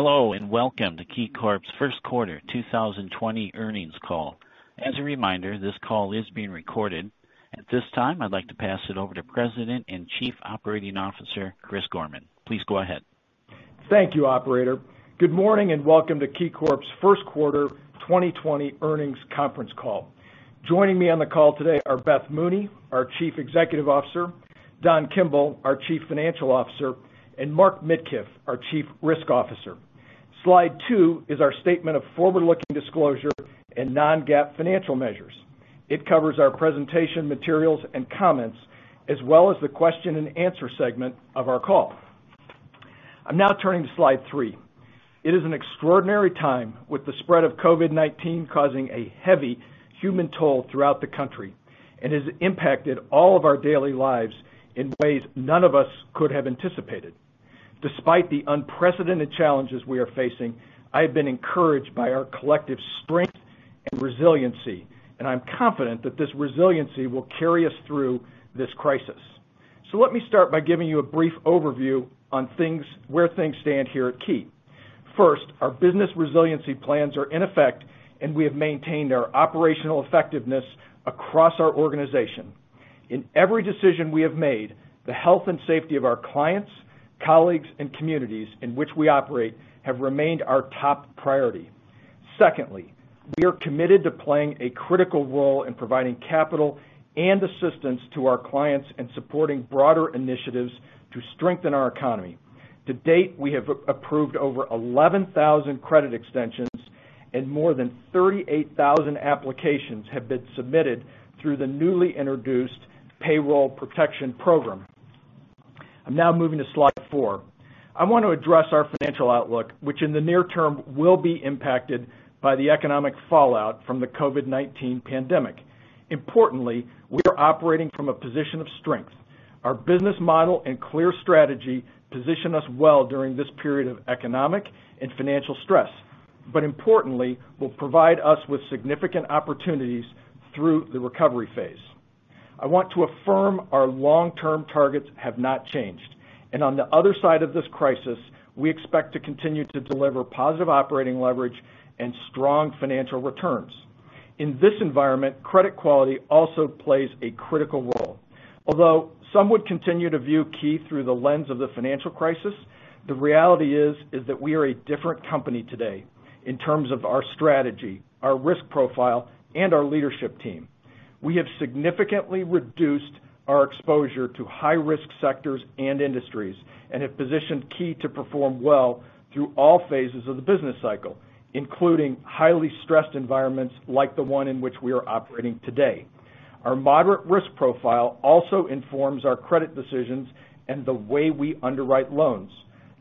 Hello and welcome to KeyCorp's first quarter 2020 earnings call. As a reminder, this call is being recorded at this time. I'd like to pass it over to President and Chief Operating Officer Chris Gorman. Please go ahead. Thank you. Operator. Good morning and welcome to KeyCorp's first quarter 2020 earnings conference call. Joining me on the call today are Beth Mooney, our Chief Executive Officer, Don Kimble, our Chief Financial Officer, and Mark Midkiff, our Chief Risk Officer. Slide 2 is our statement of forward-looking disclosure and non-GAAP financial measures. It covers our presentation materials and comments as well as the question and answer segment of our call. I'm now turning to Slide 3. It is an extraordinary time with the spread of COVID-19 causing a heavy human toll throughout the country and has impacted all of our daily lives and in ways none of us could have anticipated. Despite the unprecedented challenges we are facing, I have been encouraged by our collective strength and resiliency and I am confident that this resiliency will carry us through this crisis, so let me start by giving you a brief overview on things, where things stand here at Key first. Our business resiliency plans are in effect and we have maintained our operational effectiveness across our organization. In every decision we have made, the health and safety of our clients, colleagues and communities in which we operate have remained our top priority. Secondly, we are committed to playing a critical role in providing capital and assistance to our clients in supporting broader initiatives to strengthen our economy. To date, we have approved over 11,000 credit extensions and more than 38,000 applications have been submitted through the newly introduced Paycheck Protection Program. I'm now moving to Slide 4. I want to address our financial outlook, which in the near term will be impacted by the economic fallout from the COVID-19 pandemic. Importantly, we are operating from a position of strength. Our business model and clear strategy position us well during this period of economic and financial stress, but importantly will provide us with significant opportunities through the recovery phase. I want to affirm our long-term targets have not changed and on the other side of this crisis we expect to continue to deliver positive operating leverage and strong financial returns. In this environment, credit quality also plays a critical role. Although some would continue to view Key through the lens of the financial crisis and the reality is that we are a different company today in terms of our strategy, our risk profile and our leadership team. We have significantly reduced our exposure to high risk sectors and industries and have positioned Key to perform well through all phases of the business cycle, including highly stressed environments like the one in which we are operating today. Our moderate risk profile also informs our credit decisions and the way we underwrite loans.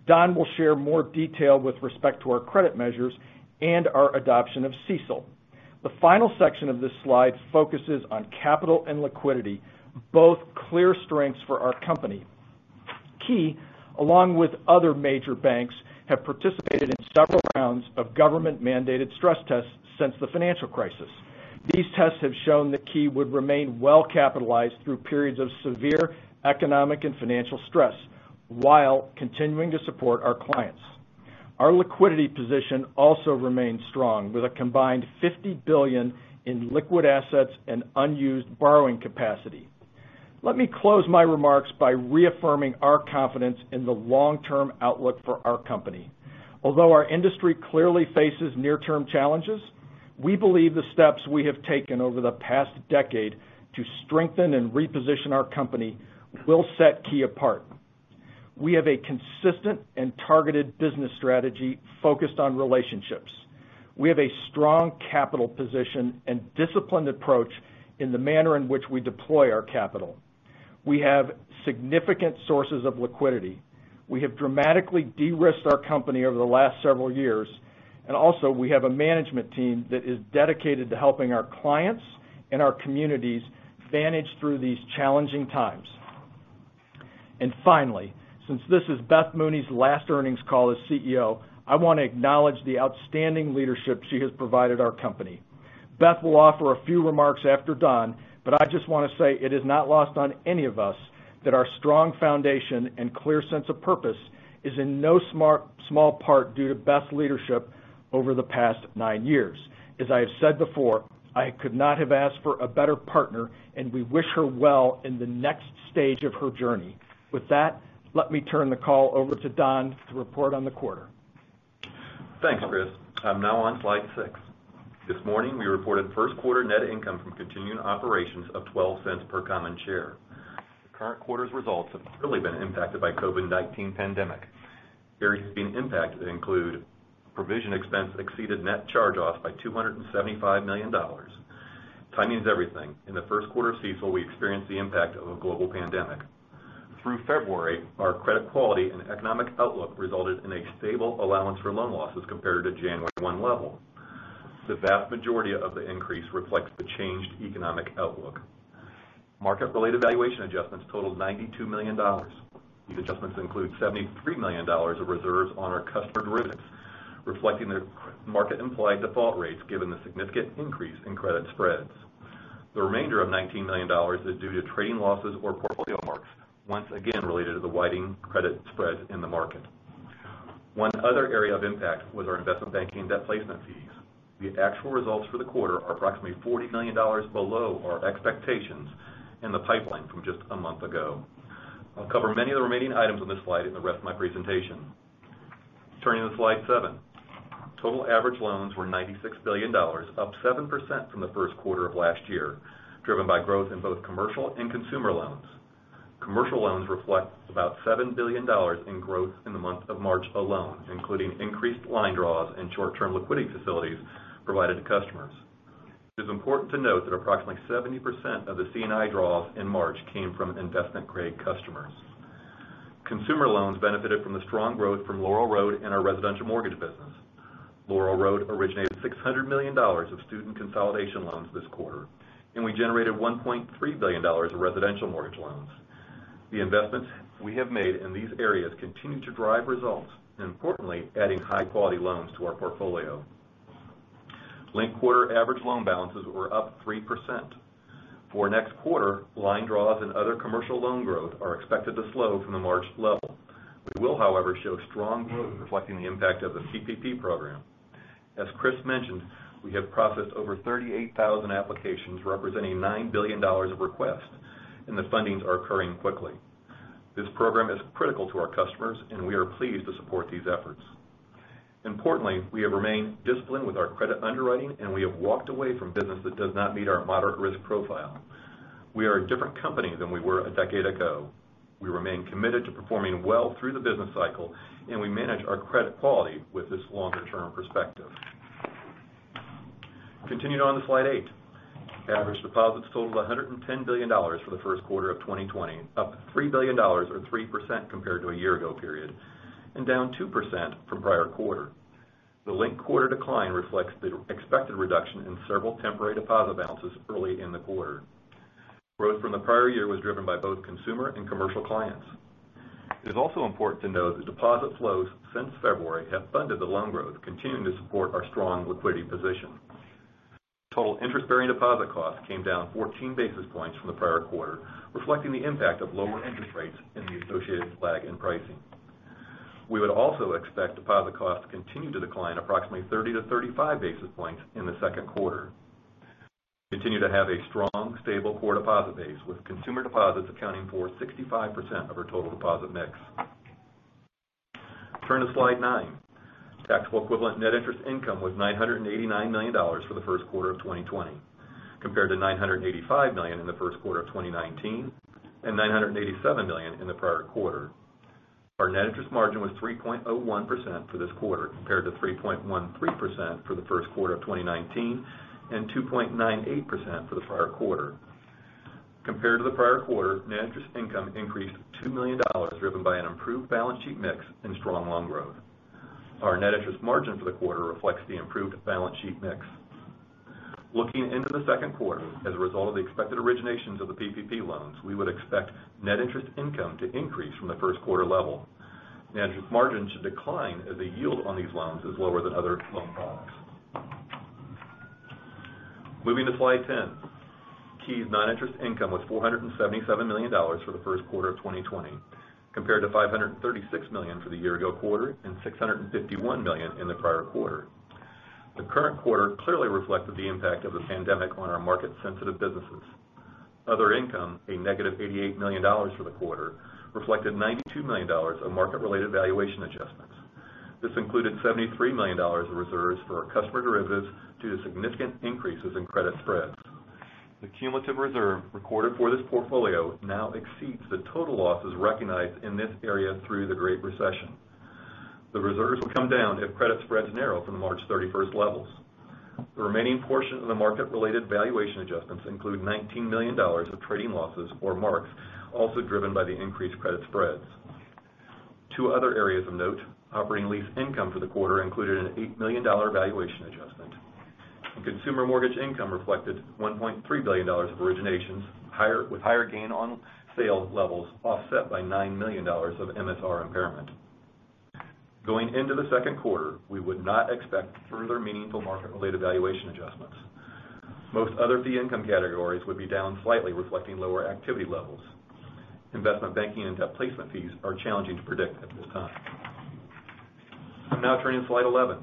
Don will share more detail with respect to our credit measures and our adoption of CECL. The final section of this slide focuses on capital and liquidity, both clear strengths for our company. Key, along with other major banks, have participated in several rounds of government mandated stress tests since the financial crisis. These tests have shown that Key would remain well capitalized through periods of severe economic and financial stress while continuing to support our clients. Our liquidity position also remains strong with a combined $50 billion in liquid assets and unused borrowing capacity. Let me close my remarks by reaffirming our confidence in the long term outlook for our company. Although our industry clearly faces near term challenges, we believe the steps we have taken over the past decade to strengthen and reposition our company will set Key apart. We have a consistent and targeted business strategy focused on relationships. We have a strong capital position and disciplined approach in the manner in which we deploy our capital. We have significant sources of liquidity. We have dramatically de-risked our company over the last several years and also we have a management team that is dedicated to helping our clients, our communities, manage through these challenging times, and finally, since this is Beth Mooney's last earnings call as CEO, I want to acknowledge the outstanding leadership she has provided our company. Beth will offer a few remarks after Don, but I just want to say it is not lost on any of us that our strong foundation and clear sense of purpose is in no small part due to Beth's leadership over the past nine years. As I have said before, I could not have asked for a better partner and we wish her well in the next stage of her journey. With that, let me turn the call over to Don to report on the quarter. Thanks Chris. I'm now on Slide 6. This morning we reported first quarter net income from continuing operations of $0.12 per common share. The current quarter's results have really been impacted by COVID-19 pandemic. Areas being impacted include provision expense exceeded net charge-offs by $275 million. Timing is everything in the first quarter of CECL. We experienced the impact of a global pandemic. Through February, our credit quality and economic outlook resulted in a stable allowance for loan losses compared to January 1 level. The vast majority of the increase reflects the changed economic outlook. Market-related valuation adjustments totaled $92 million. These adjustments include $73 million of reserves on our customer derivatives reflecting the market-implied default rates. Given the significant increase in credit spreads. The remainder of $19 million is due to trading losses or portfolio marks once again related to the widening credit spread in the market. One other area of impact was our investment banking debt placement fees. The actual results for the quarter are approximately $40 million below our expectations and the pipeline from just a month ago. I'll cover many of the remaining items on this slide in the rest of my presentation. Turning to Slide 7, total average loans were $96 billion, up 7% from the first quarter of last year, driven by growth in both commercial and consumer loans. Commercial loans reflect about $7 billion in growth in the month of March alone, including increased line draws and short term liquidity facilities which provided to customers. It is important to note that approximately 70% of the C&I draws in March came from investment grade customers. Consumer loans benefited from the strong growth from Laurel Road and our residential mortgage business. Laurel Road originated $600 million of student consolidation loans this quarter and we generated $1.3 billion of residential mortgage loans. The investments we have made in these areas continue to drive results, importantly adding high quality loans to our portfolio. Linked quarter average loan balances were up 3% for next quarter. Line draws and other commercial loan growth are expected to slow from the March level. We will however show strong growth reflecting the impact of the PPP program. As Chris mentioned, we have processed over 38,000 applications representing $9 billion of requests and the fundings are occurring quickly. This program is critical to our customers and we are pleased to support these efforts. Importantly, we have remained disciplined with our credit underwriting and we have walked away from business that does not meet our moderate risk profile. We are a different company than we were a decade ago. We remain committed to performing well through the business cycle and we manage our credit quality with this longer term perspective. Continuing on to Slide 8, average deposits totaled $110 billion for the first quarter of 2020, up $3 billion or 3% compared to a year ago period and down 2% from prior quarter. The linked quarter decline reflects the expected reduction in several temporary deposit balances early in the quarter. Growth from the prior year was driven by both consumer and commercial clients. It is also important to note that deposit flows since February have funded the loan growth, continuing to support our strong liquidity position. Total interest-bearing deposit costs came down 14 basis points from the prior quarter, reflecting the impact of lower interest rates and the associated pricing. We would also expect deposit costs to continue to decline approximately 30-35 basis points in the second quarter. We continue to have a strong stable core deposit base with consumer deposits accounting for 65% of our total deposit mix. Turn to Slide 9. Taxable equivalent net interest income was $989 million for the first quarter of 2020 compared to $985 million in the first quarter of 2019 and $987 million in the prior quarter. Our net interest margin was 3.01% for this quarter compared to 3.13% for the first quarter of 2019 and 2.98% for the prior quarter. Compared to the prior quarter, net interest income increased $2 million driven by an improved balance sheet mix and strong loan growth. Our net interest margin for the quarter reflects the improved balance sheet mix. We're looking into the second quarter. As a result of the expected originations of the PPP loans, we would expect net interest income to increase from the first quarter level. Net interest margin should decline as the yield on these loans is lower than other loan products. Moving to Slide 10. Key's noninterest income was $477 million for the first quarter of 2020 compared to $536 million for the year-ago quarter and $651 million in the prior quarter. The current quarter clearly reflected the impact of the pandemic on our market-sensitive businesses. Other income, a negative $88 million for the quarter, reflected $92 million of market-related valuation adjustments. This included $73 million of reserves for our customer derivatives. Due to significant increases in credit spreads, the cumulative reserve recorded for this portfolio now exceeds the total losses recognized in this area through the Great Recession. The reserves will come down if credit spreads narrow from March 31 levels. The remaining portion of the market-related valuation adjustments include $19 million of trading losses or marks, also driven by the increased credit spreads. Two other areas of note. Operating lease income for the quarter included an $8 million valuation adjustment. Consumer mortgage income reflected $1.3 billion of originations with higher gain on sales levels offset by $9 million of MSR impairment. Going into the second quarter, we would not expect further meaningful market-related valuation adjustments. Most other fee income categories would be down slightly, reflecting lower activity levels. Investment banking and debt placement fees are challenging to predict at this time. Now turning to Slide 11,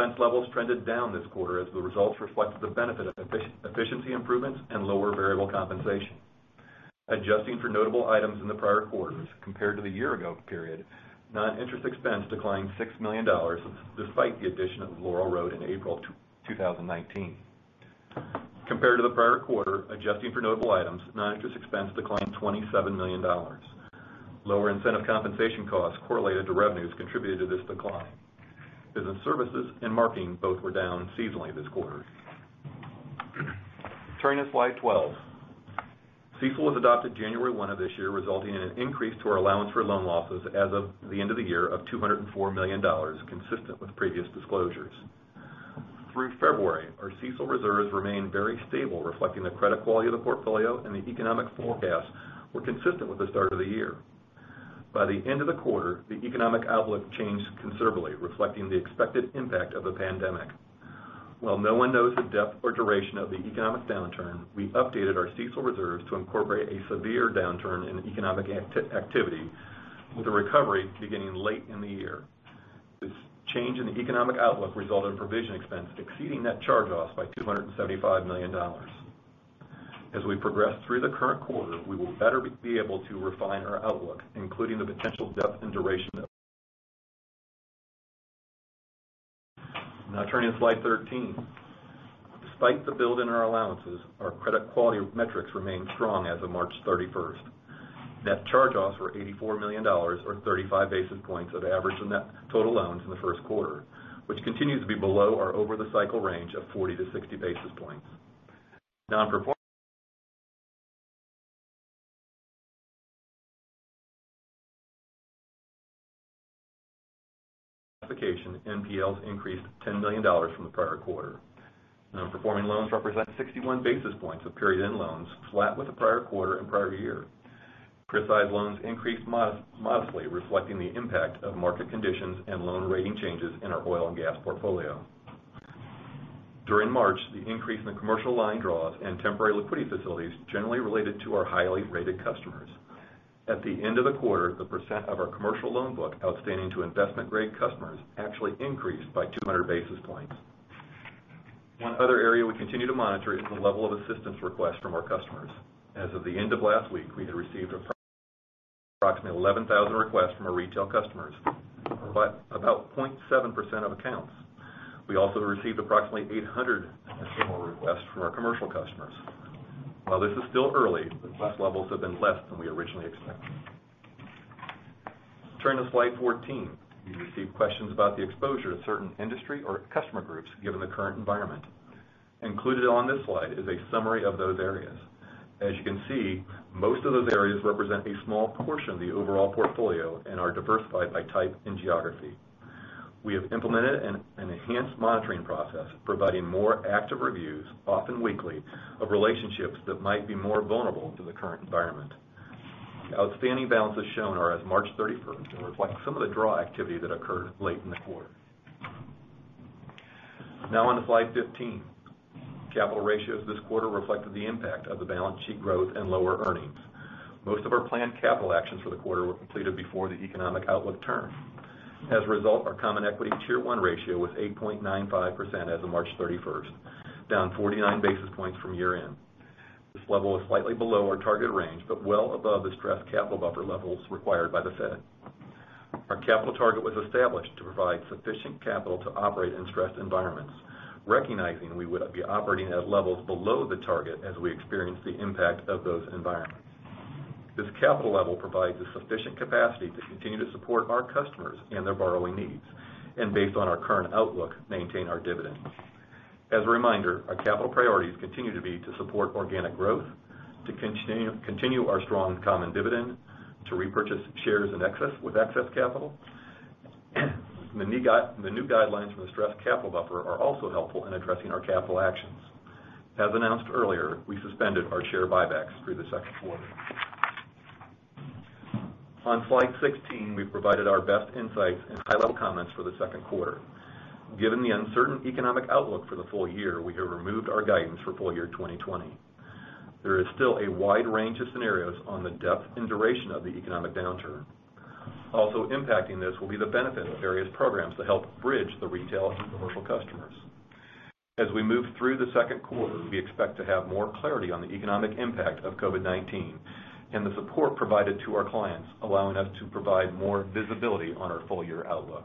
expense levels trended down this quarter as the results reflected the benefit of efficiency improvements and lower variable compensation. Adjusting for notable items in the prior quarters compared to the year ago period, noninterest expense declined $6 million despite the addition of Laurel Road in April 2019 compared to the prior quarter. Adjusting for notable items, noninterest expense declined $27 million. Lower incentive compensation costs correlated to revenues contributed to this decline. Business services and marketing both were down seasonally this quarter. Turning to Slide 12. CECL was adopted January 1st of this year, resulting in an increase to our allowance for loan losses as of the end of the year of $204 million. Consistent with previous disclosures through February, our CECL reserves remained very stable, reflecting the credit quality of the portfolio, and the economic forecasts were consistent with the start of the year. By the end of the quarter, the economic outlook changed considerably, reflecting the expected impact of the pandemic. While no one knows the depth or duration of the economic downturn, we updated our CECL reserves to incorporate a severe downturn in economic activity with a recovery beginning late in the year. This change in the economic outlook resulted in provision expense exceeding net charge-offs by $275 million. As we progress through the current quarter, we will better be able to refine our outlook including the potential depth and duration. Now turning to Slide 13, despite the build in our allowances, our credit quality metrics remain strong. As of March 31, net charge-offs were $84 million or 35 basis points of average total loans in the first quarter, which continues to be below our over the cycle range of 40-60 basis points. Non-performing. NPLs increased $10 million from the prior quarter. Nonperforming loans represent 61 basis points of period-end loans flat with the prior quarter and prior year. Criticized loans increased modestly reflecting the impact of market conditions and loan rating changes in our oil and gas portfolio during March. The increase in the commercial line draws and temporary liquidity facilities generally related to our highly rated customers. At the end of the quarter, the percent of our commercial loan book outstanding to investment grade customers actually increased by 200 basis points. One other area we continue to monitor is the level of assistance requests from our customers. As of the end of last week, we had received approximately 11,000 requests from our retail customers but about 0.7% of accounts. We also received approximately 800 requests from our commercial customers. While this is still early, the bus levels have been less than we originally expected. Turning to Slide 14, you received questions about the exposure to certain industry or customer groups given the current environment. Included on this slide is a summary of those areas. As you can see, most of those areas represent a small portion of the overall portfolio and are diversified by type and geography. We have implemented an enhanced monitoring process, providing more active reviews, often weekly, of relationships that might be more vulnerable to the current environment. Outstanding balances shown are as of March 31 and reflect some of the draw activity that occurred late in the quarter. Now. On to Slide 15. Capital ratios this quarter reflected the impact of the balance sheet growth and lower earnings. Most of our planned capital actions for the quarter were completed before the economic outlook turned. As a result, our Common Equity Tier 1 ratio was 8.95% as of March 31, down 49 basis points from year end. This level was slightly below our target range but well above the stressed capital buffer levels required by the Fed. Our capital target was established to provide sufficient capital to operate in stressed environments, recognizing we would be operating at levels below the target as we experienced the impact of those environments. This capital level provides us sufficient capacity to continue to support our customers and their borrowing needs, and based on our current outlook, maintain our dividend. As a reminder, our capital priorities continue to be to support organic growth, to continue our strong common dividend, to repurchase shares with excess capital. The new guidelines from the Stressed Capital Buffer are also helpful in addressing our capital actions. As announced earlier, we suspended our share buybacks through the second quarter. On Slide 16, we provided our best insights and high level comments for the second quarter. Given the uncertain economic outlook for the full year, we have removed our guidance for full year 2020. There is still a wide range of scenarios on the depth and duration of the economic downturn. Also impacting this will be the benefit of various programs to help bridge the retail and commercial customers. As we move through the second quarter, we expect to have more clarity on the economic impact of COVID-19 and the support provided to our clients, allowing us to provide more visibility on our full year outlook.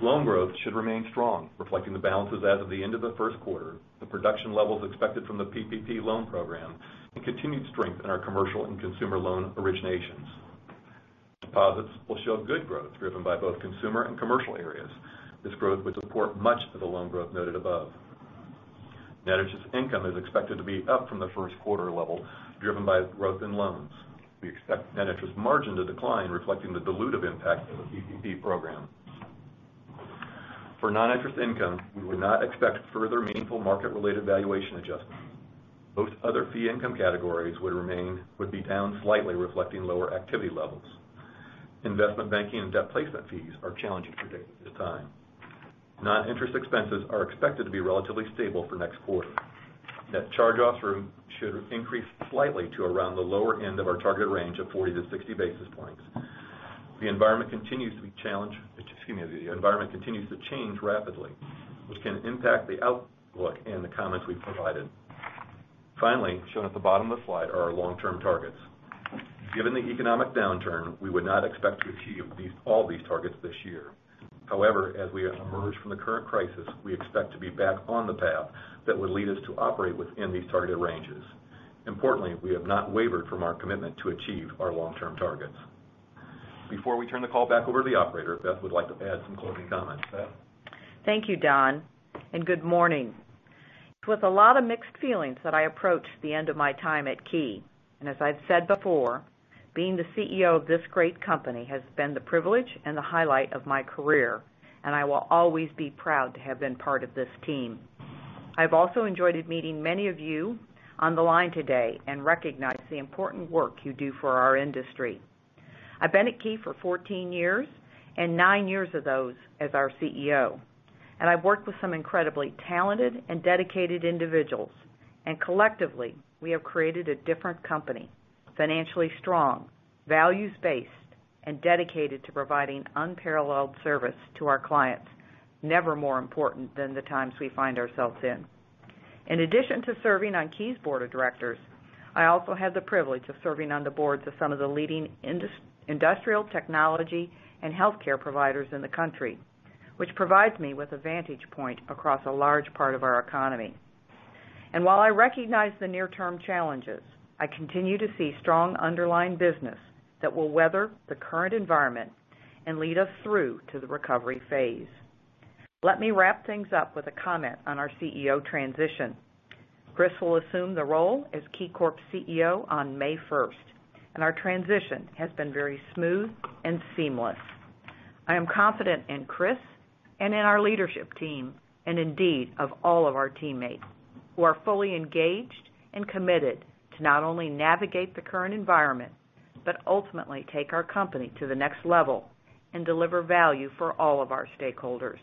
Loan growth should remain strong reflecting the balances as of the end of the first quarter. The production levels expected from the PPP loan program and continued strength in our commercial and consumer loan originations. Deposits will show good growth driven by both consumer and commercial areas. This growth would support much of the loan growth noted above. Net interest income is expected to be up from the first quarter level driven by growth in loans. We expect net interest margin to decline reflecting the dilutive impact of the PPP program. For noninterest income, we would not expect further meaningful market-related valuation adjustments. Most other fee income categories would be down slightly reflecting lower activity levels. Investment banking and debt placement fees are challenging to predict at this time. Noninterest expenses are expected to be relatively stable for next quarter. Net charge-offs should increase slightly to around the lower end of our target range of 40-60 basis points. The environment continues to change rapidly which can impact the outlook and the comments we've provided. Finally shown at the bottom of the slide are our long-term targets. Given the economic downturn, we would not expect to achieve all these targets this year. However, as we emerge from the current crisis, we expect to be back on the path that would lead us to operate within these targeted ranges. Importantly, we have not wavered from our commitment to achieve our long term targets. Before we turn the call back over to the operator, Beth would like to add some closing comments. Beth? Thank you Don, and good morning. It's with a lot of mixed feelings that I approached the end of my time at Key and as I've said before, being the CEO of this great company has been the privilege and the highlight of my career and I will always be proud to have been part of this team. I've also enjoyed meeting many of you on the line today and recognize the important work you do for our industry. I've been at Key for 14 years and nine years of those as our CEO and I've worked with some incredibly talented and dedicated individuals and collectively we have created a different company. Financially strong, values-based and dedicated to providing unparalleled service to our clients. Never more important than the times we find ourselves in. In addition to serving on Key's board of directors, I also have the privilege of serving on the boards of some of the leading industrial technology and healthcare providers in the country, which provides me with a vantage point across a large part of our economy. And while I recognize the near-term challenges, I continue to see strong underlying business that will weather the current environment and lead us through to the recovery phase. Let me wrap things up with a comment on our CEO transition. Chris will assume the role as KeyCorp CEO on May 1st, and our transition has been very smooth and seamless. I am confident in Chris and in our leadership team and indeed of all of our teammates who are fully engaged and committed to not only navigate the current environment, but ultimately take our company to the next level and deliver value for all of our stakeholders.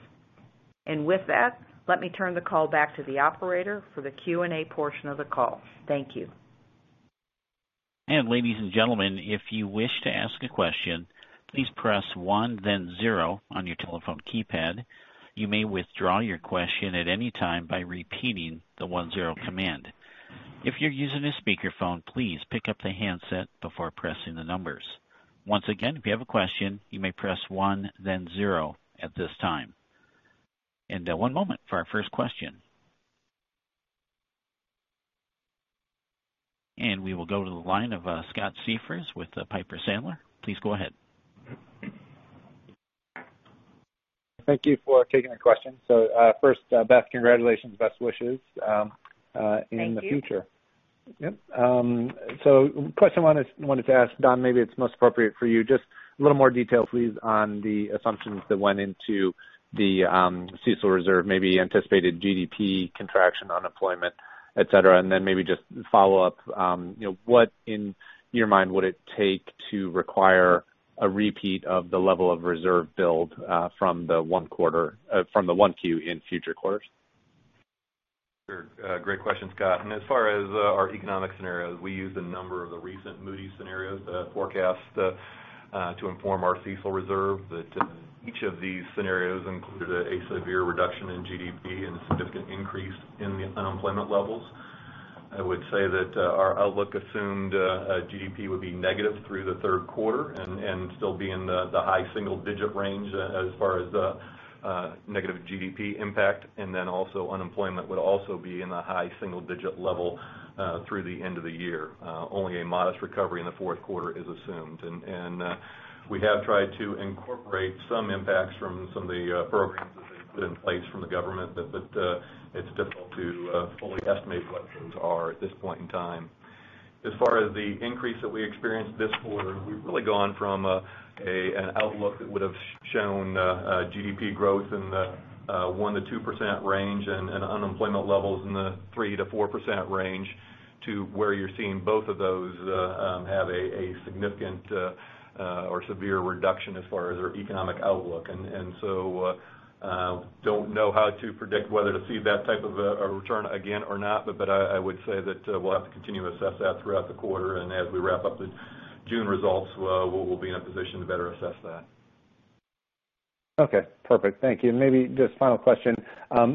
And with that, let me turn the call back to the operator for the Q and A portion of the call. Thank you. And ladies and gentlemen, if you wish to ask a question, please press 1 then 0 on your telephone keypad. You may withdraw your question at any time by repeating the 10 command. If you're using a speakerphone, please pick up the handset before pressing the numbers once again. If you have a question, you may press 1 then 0 at this time, and one moment for our first question. And we will go to the line of Scott Siefers with Piper Sandler. Please go ahead. Thank you for taking the question, so first, Beth, congratulations. Best wishes in the future. So, question wanted to ask Don. Maybe it's most appropriate for you just a little more detail, please, on the assumptions that went into the CECL reserve, maybe? Anticipated GDP contraction, unemployment, et cetera, and then maybe just follow up. What in your mind would it take to require a repeat of the level on reserve build from the 1Q in future quarters? Great question, Scott, and as far as our economic scenarios, we used a number of the recent Moody's scenarios forecast to inform our CECL reserve that each of these scenarios included a severe reduction in GDP and a significant increase in the unemployment levels. I would say that our outlook assumed GDP would be negative through the third quarter and still be in the high single digit range as far as the negative GDP impact, and then also unemployment would also be in the high single digit level through the end of the year. Only a modest recovery in the fourth quarter is assumed, and we have tried to incorporate some impacts from some of the programs that they've put in place from the government, but it's difficult to fully estimate what those are at this point in time. As far as the increase that we experienced this quarter, we've really gone from an outlook that would have shown GDP growth in the 1%-2% range and unemployment levels in the 3%-4% range to where you're seeing both of those have a significant or severe reduction as far as their economic outlook, and so don't know how to predict whether to see that type of return again or not. But I would say that we'll have to continue to assess that throughout the quarter and as we wrap up the June results, we'll be in a position to better assess that. Okay, perfect. Thank you. Maybe just final question,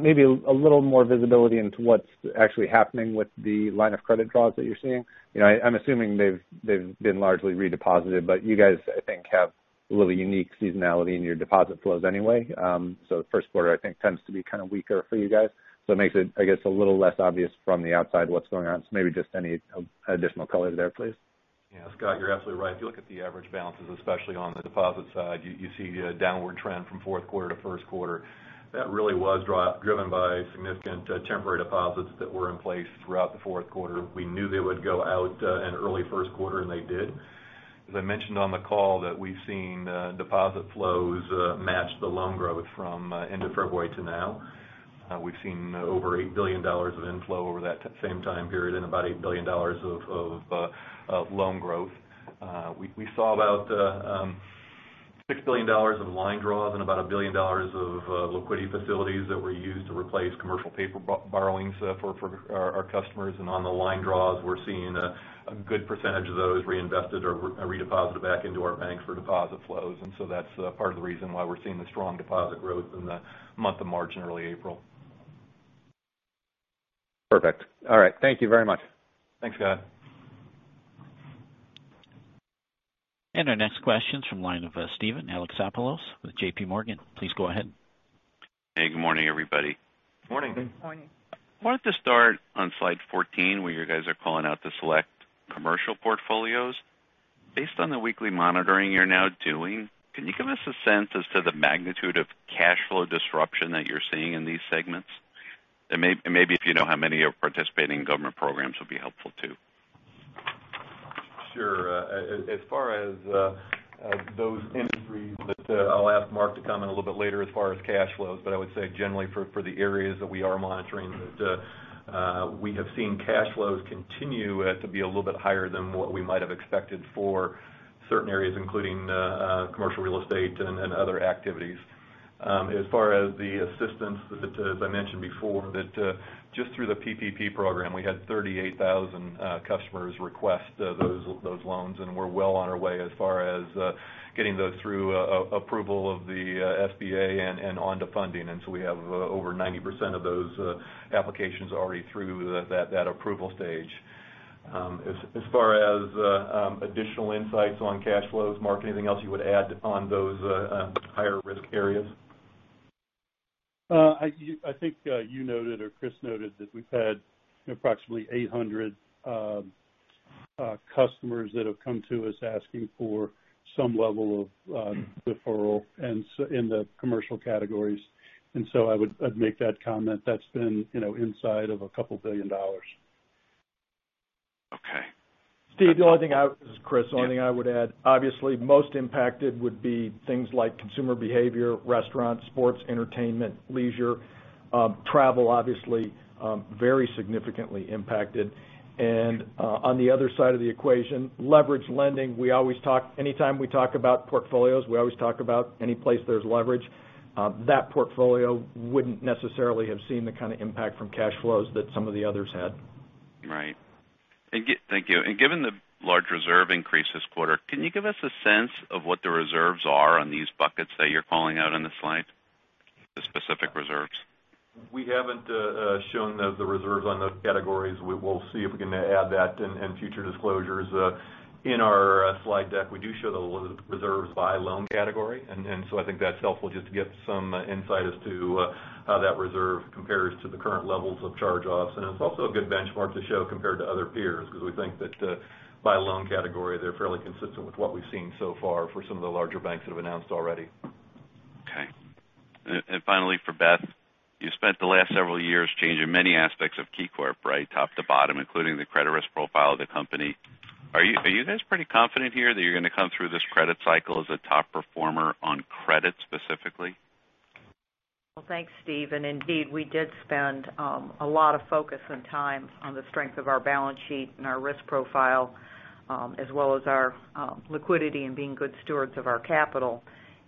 maybe a little more visibility into what's next actually happening with the line of credit draws that you're seeing. You know, I'm assuming they've been. Largely redeposited, but you guys I think. Have a little unique seasonality in your deposit flows anyway, so the first quarter I think tends to be kind of weaker for you guys. So it makes it, I guess, a. little less obvious from the outside what's going on. So maybe just any additional color there, please. Yeah, Scott, you're absolutely right. If you look at the average balances, especially on the deposit side, you see a downward trend from fourth quarter to first quarter that really was driven by significant temporary deposits that were in place throughout the fourth quarter. We knew they would go out in early first quarter, and they did. As I mentioned on the call that we've seen deposit flows match the loan growth from end of February to now. We've seen over $8 billion of inflow over that same time period and about $8 billion of loan growth. We saw about. $6 billion of line draws and about $1 billion of liquidity facilities that were used to replace commercial paper borrowings for our customers. And on the line draws, we're seeing a good percentage of those reinvested or redeposited back into our banks for deposit flows. And so that's part of the reason why we're seeing the strong deposit growth in the month of March and early April. Perfect. All right, thank you very much. Thanks, Scott. Our next question is from the line of Steven Alexopoulos with JPMorgan. Please go ahead. Hey, good morning, everybody. Good morning. I wanted to start on slide 14. Where you guys are calling out the select commercial portfolios. Based on the weekly monitoring you're now. Don, can you give us a sense as to the magnitude of cash flow? Disruption that you're seeing in these segments? Maybe if you know how many are participating in government programs would be helpful, too. Sure. As far as those industries, I'll ask Mark to comment a little bit later as far as cash flows, but I would say generally for the areas that we are monitoring, we have seen cash flows continue to be a little bit higher than what we might have expected for certain areas, including commercial real estate and other activities. As far as the assistance, as I mentioned before, just through the PPP program, we had 38,000 customers request those loans, and we're well on our way as far as getting those through approval of the SBA and on to funding, and so we have over 90% of those applications already through that approval stage. As far as additional insights on cash flows, Mark, anything else you would add on those higher risk areas? I think. You noted or Chris noted that we've. Had approximately 800. Customers that have come to us asking for some level of deferral in the commercial categories. And so I would make that comment that's been inside of $2 billion. Okay, Steve. The only thing, this is Chris, the only thing I would add, obviously most impacted would be things like consumer behavior, restaurants, sports, entertainment, leisure, travel. Obviously very significantly impacted. And on the other side of the equation, leverage, lending. We always talk, anytime we talk about portfolios, we always talk about any place there's leverage that portfolio wouldn't necessarily have seen the current kind of impact from cash flows that some of the others had. Right. Thank you. Given the large reserve increase this quarter, can you give us a sense? Of what the reserves are on these buckets that you're calling out on this slide? The specific reserves We haven't shown the reserves on those categories. We'll see if we can add that in future disclosures. In our slide deck, we do show the reserves by loan category. And so I think that's helpful just to get some insight as to how that reserve compares to the current levels of charge-offs. And it's also a good benchmark to show compared to other peers because we think that by loan category they're fairly consistent with what we've seen so far for some of the larger banks that have announced already. Okay. And finally for Beth, you spent the last several years changing many aspects of KeyCorp, right, top to bottom, including the credit risk profile of the company. Are you guys pretty confident here that you're going to come through this credit cycle as a top performer on credit specifically? Well, thanks, Steve. And indeed we did spend a lot of focus and time on the strength of our balance sheet and our risk profile, as well as our liquidity and being good stewards of our capital.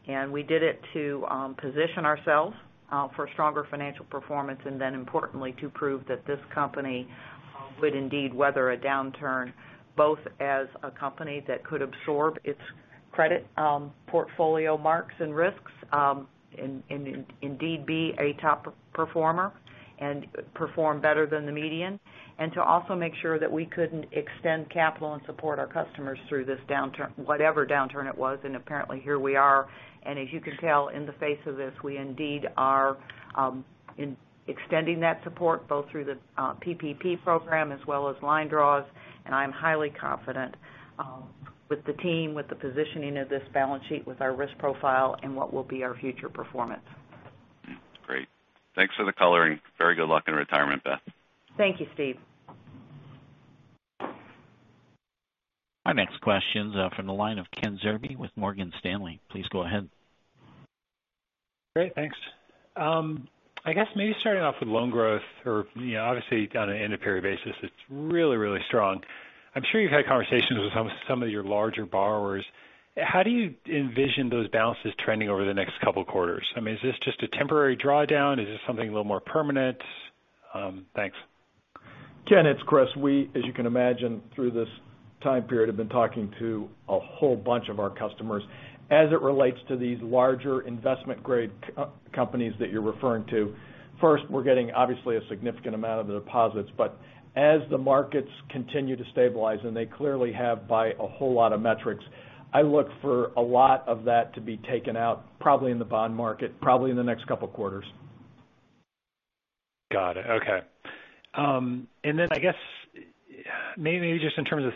And we did it to position ourselves for stronger financial performance and then importantly to prove that this company would indeed weather a downturn both as a company that could absorb itself credit portfolio marks and risks and indeed be a top performer and perform better than the median. And to also make sure that we couldn't extend capital and support our customers through this downturn, whatever downturn it was. And apparently here we are. And as you can tell in the face of this, we indeed are. Extending that support both through the PPP program as well as line draws. And I'm highly confident with the team, with the positioning of this balance sheet, with our risk profile and what will be our future performance. Great. Thanks for the color and very good luck in retirement, Beth. Thank you, Steve. Our next question's from the line of Ken Zerbe with Morgan Stanley. Please go ahead. Great, thanks. I guess maybe starting off with loan growth or obviously on an annualized basis, it's really, really strong. I'm sure you've had conversations with some of your larger borrowers. How do you envision those balances trending over the next couple quarters? I mean, is this just a temporary drawdown? Is this something a little more permanent? Thanks. Ken. It's Chris. We, as you can imagine, through this time period have been talking to a whole bunch of our customers as it relates to these larger investment grade companies that you're referring to. First, we're getting obviously a significant amount of the deposits, but as the markets continue to stabilize and they clearly have, by a whole lot of metrics, I look for a lot of that to be taken out probably in the bond market, probably in the next couple quarters. Got it. Okay. And then I guess maybe just in terms of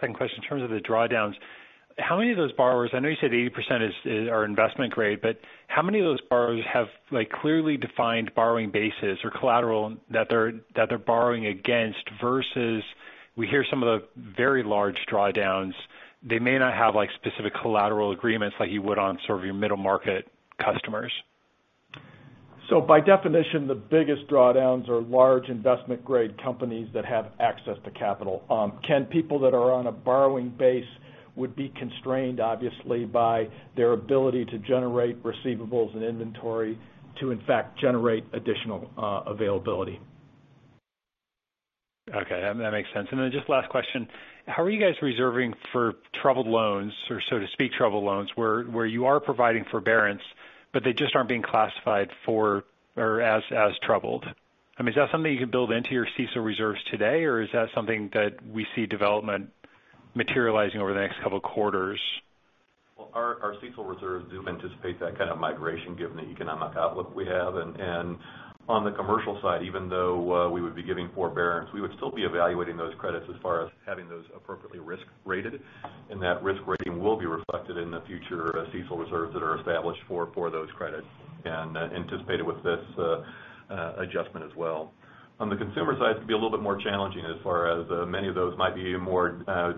second question, in terms of the drawdowns, how many of those borrowers, I know you said 80% is our investment grade, but how many of those borrowers have clearly defined borrowing base or collateral that they're borrowing against versus we hear some of the very large drawdowns, they may not have specific collateral agreements like you would on sort of your middle market customers? So by definition, the biggest drawdowns are large investment grade companies that have access to capital can people that are on a borrowing base would be constrained obviously by their ability to generate receivables and inventory to in fact generate additional availability. Okay, that makes sense, and then just last question. How are you guys reserving for troubled loans or so to speak, troubled loans where you are providing forbearance, but they just aren't being classified for or as troubled? I mean, is that something you could build into your CECL reserves today or is that something that we see development, materializing over the next couple quarters? Our CECL reserves do anticipate that kind of migration given the economic outlook we have. And on the commercial side, even though we would be giving forbearance, we would still be evaluating those credits as far as having those appropriately risk rated. And that risk rating will be reflected in the future CECL reserves that are established for those credits and anticipated with this adjustment as well. On the consumer side, it can be a little bit more challenging as far as many of those might be more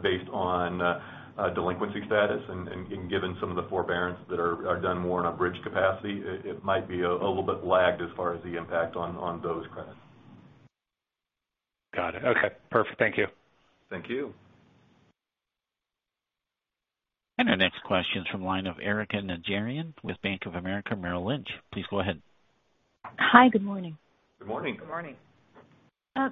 based on delinquency status and given some of the forbearance that are done more on a bridge capacity, it might be a little bit lagged as far as the impact on those credits. Got it. Okay, perfect. Thank you. Thank you. Our next question is from the line of Erika Najarian with Bank of America Merrill Lynch. Please go ahead. Hi, Good morning. Good morning. Good morning.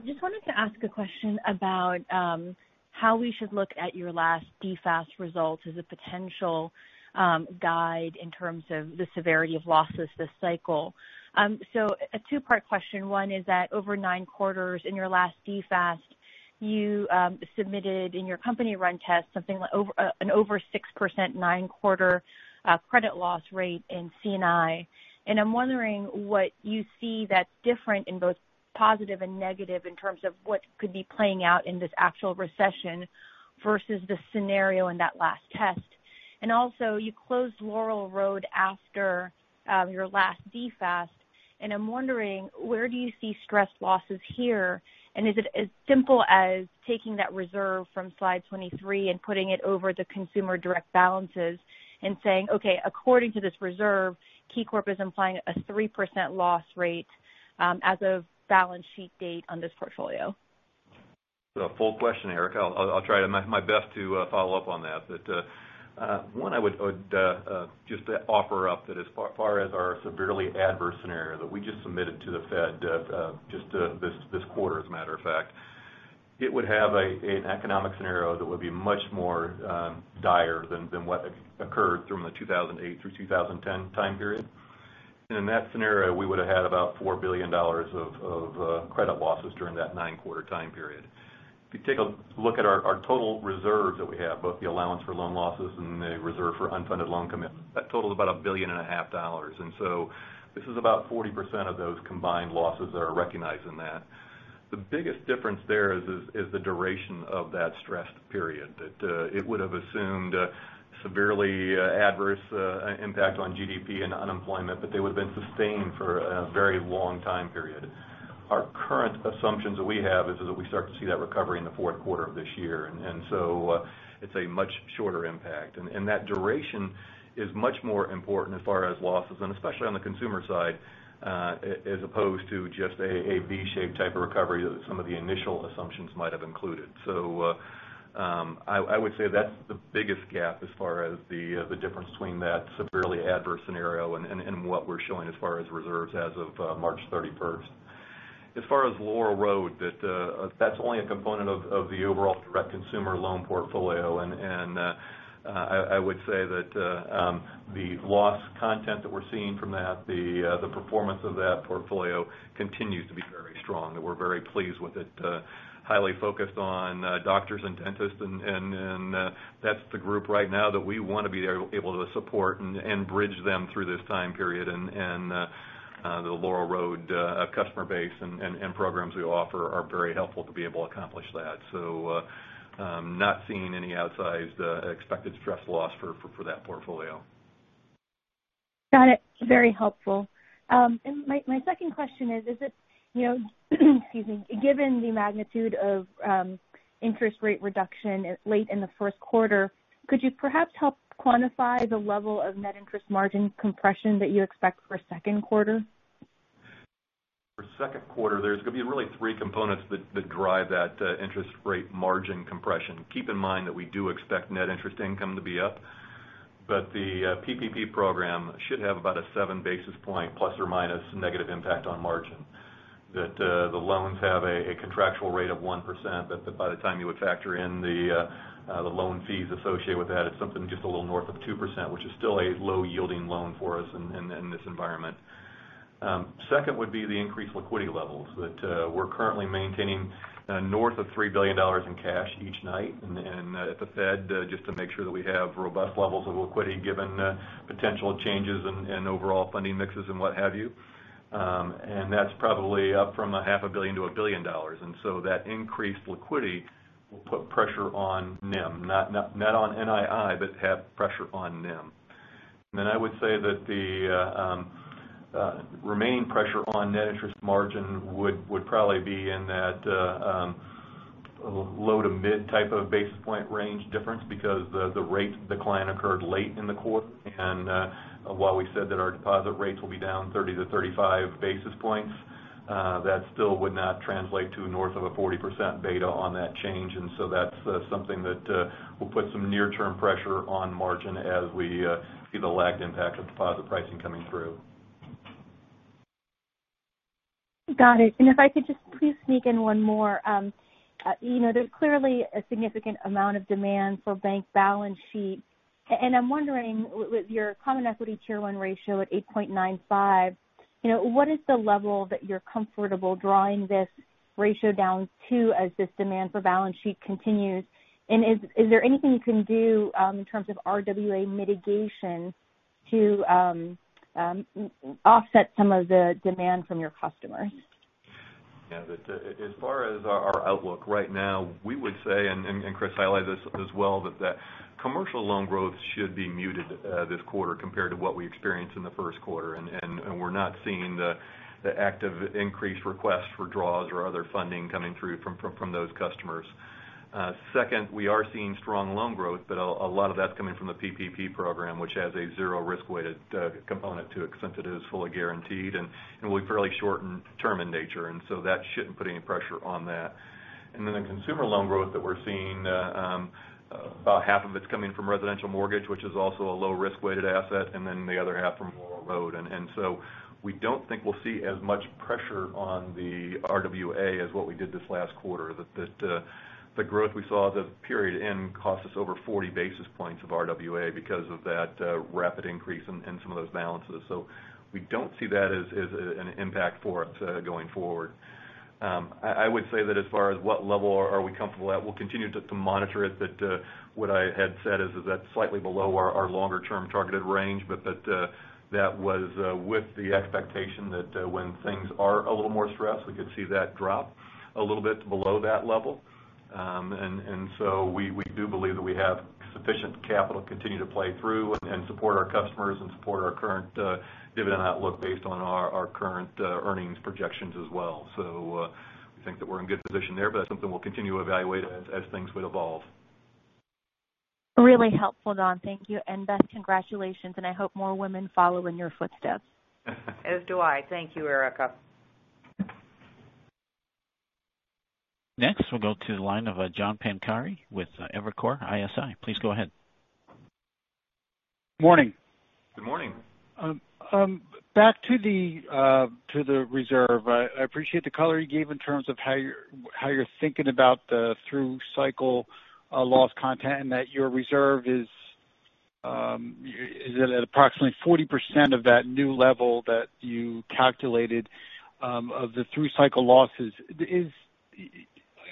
Just wanted to ask a question about how we should look at your last DFAST results as a potential guide in terms of the severity of losses this cycle. So a two-part question. One is that over nine quarters in your last DFAST you submitted in your company-run test something like an over 6% nine-quarter credit loss rate in C&I and I'm wondering what you see that's different in both positive and negative in terms of what could be playing out in this actual recession versus the scenario in that last test. And also you closed Laurel Road after your last DFAST. I'm wondering where you see stress losses here and is it as simple as taking that reserve from slide 23 and putting it over the consumer direct balances and saying okay, according to this reserve, KeyCorp is implying a 3% loss rate as of balance sheet date on this portfolio? Full question, Erika. I'll try my best to follow up on that, but one, I would just offer up that as far as our severely adverse scenario that we just submitted to the Fed just this quarter, as a matter of fact, it would have an economic scenario that would be much more dire than what occurred during the 2008 through 2010 time period. In that scenario, we would have had about $4 billion of credit losses during that nine-quarter time period. If you take a look at our total reserves that we have, both the allowance for loan losses and the reserve for unfunded loan commitments, that totals about $1.5 billion. And so this is about 40% of those combined losses that are recognized in that the biggest difference between there is the duration of that stressed period that it would have assumed severely adverse impact on GDP and unemployment, but they would have been sustained for a very long time period. Our current assumptions that we have is that we start to see that recovery in the fourth quarter of this year and so it's a much shorter impact and that duration is much more important as far as losses and especially on the consumer side as opposed to just a V-shaped type of recovery that some of the initial assumptions might have included. So I would say that's the biggest gap as far as the difference between that severely adverse scenario and what we're showing as far as reserves as of March 31. As far as Laurel Road, that's only a component of the overall direct consumer loan portfolio. And I would say that the loss content that we're seeing from that, the performance of that portfolio continues to be very strong and we're very pleased with it. Highly focused on doctors and dentists. And that's the group right now that we want to be able to support and bridge them through this time period. And the Laurel Road customer base and programs we offer are very helpful to be able to accomplish that. So not seeing any outsized expected stress loss for that portfolio. Got it. Very helpful. And my second question is, given the magnitude of interest rate reduction late in the first quarter. Could you perhaps help quantify the level of Net Interest Margin compression that you expect for second quarter? For second quarter there's going to be really three components that drive that interest rate margin compression. Keep in mind that we do expect net interest income to be up, but the PPP program should have about a 7 basis point plus or minus negative impact on margin, that the loans have a contractual rate of 1%, but by the time you would factor in the loan fees associated with that, it's something just a little north of 2%, which is still a low yielding loan for us in this environment. Second would be the increased liquidity levels that we're currently maintaining, north of $3 billion in cash each night and at the Fed, just to make sure that we have robust levels of liquidity given potential changes in overall funding mixes and what have you, and that's probably up from $500 million-$1 billion. And so that increased liquidity will put pressure on NIM, not on NII, but have pressure on NIM. Then I would say that the remaining pressure on net interest margin would probably be in that Low- to mid-type basis point range difference because the rate decline occurred late in the quarter. And while we said that our deposit rates will be down 30-35 basis points, that still would not translate to north of a 40% beta on that change. And so that's something that will put some near-term pressure on margin as we see the lagged impact of deposit pricing coming through. Got it, and if I could just please sneak in one more, you know, there's clearly a significant amount of demand for bank balance sheet, and I'm wondering with your Common Equity Tier 1 ratio at 8.95%, you know, what is the level that you're comfortable drawing this ratio down to as this demand for balance sheet continues, and is there anything you can do in terms of RWA mitigation to offset some of the demand from your customers? As far as our outlook right now, we would say, and Chris highlighted this as well, that commercial loan growth should be muted this quarter compared to what we experienced in the first quarter, and we're not seeing the active increased request for draws or other funding coming through from those customers. Second, we are seeing strong loan growth, but a lot of that's coming from the PPP program which has a zero risk-weighted component to it since it is fully guaranteed and we're fairly short-term in nature, and so that shouldn't put any pressure on that, and then the consumer loan growth that we're seeing, about half of it's coming from residential mortgage, which is also a low risk-weighted asset, and then the other half from loans. And so we don't think we'll see as much pressure on the RWA as what we did this last quarter. The growth we saw the period end cost us over 40 basis points of RWA because of that rapid increase in some of those balances. So we don't see that as an impact for us going forward. I would say that, as far as what level are we comfortable at, we'll continue to monitor it. That what I had said is that slightly below our longer-term targeted range, but that was with the expectation that when things are a little more stressed we could see that drop a little bit below that level. And so we do believe that we have sufficient capital continue to play through and support our customers and support our current dividend outlook based on our current earnings projections as well. So we think that we're in good position there. But that's something we'll continue to evaluate as things would evolve. Really helpful, Don. Thank you and best congratulations, and I hope more women follow in your footsteps. As do I. Thank you, Erica. Next we'll go to the line of John Pancari with Evercore ISI. Please go ahead. Morning. Good morning. Back to the reserve. I appreciate the color you gave in terms of how you're thinking about the through cycle loss content and that your reserve is at approximately 40% of that new level that you calculated of the through cycle losses.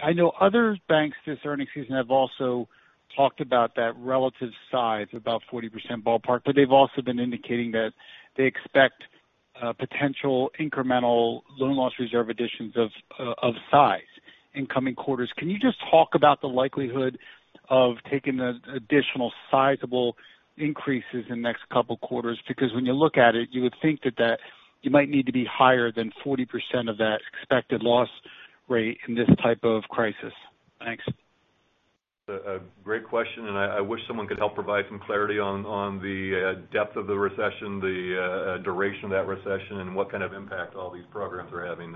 I know other banks this earnings season have also talked about that relative size, about 40% ballpark. But they've also been indicating that they expect potential incremental loan loss reserve additions of size coming quarters. Can you just talk about the likelihood of taking additional sizable increases in next couple quarters because when you look at it, you would think that you might need to be higher than 40% of that expected loss rate in this type of crisis? Thanks. A great question, and I wish someone could help provide some clarity on the depth of the recession, the duration of that recession, what kind of impact all these programs are having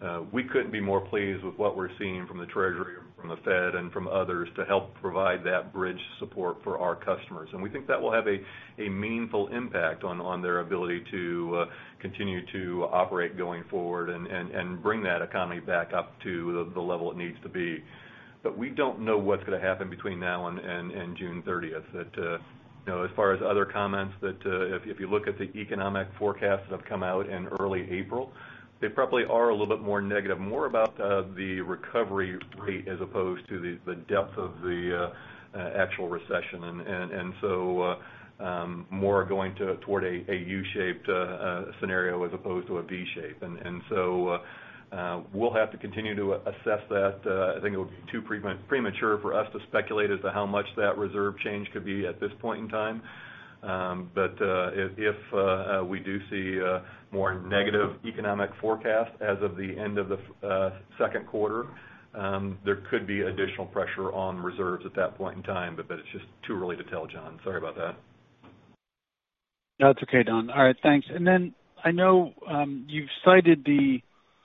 that we couldn't be more pleased with whatwe're seeing from the Treasury, from the Fed, and from others to help provide that bridge support for our customers, and we think that will have a meaningful impact on their ability to continue to operate going forward and bring that economy back up to the level it needs to be. But we don't know what's going to happen between now and June 30th as far as other comments, that if you look at the economic forecasts that have come out in early April, they probably are a little bit more negative, more about the recovery rate as opposed to the depth of the actual recession and so more going toward a U-shaped scenario as opposed to a V-shaped. And so we'll have to continue to assess that. I think it would be too premature for us to speculate as to how much that reserve change could be at this point in time. But if we do see more negative economic forecast as of the end of the second quarter, there could be additional pressure on reserves at that point in time. But it's just too early to tell. John, sorry about that. That's okay, Don. All right, thanks. And then I know you've cited the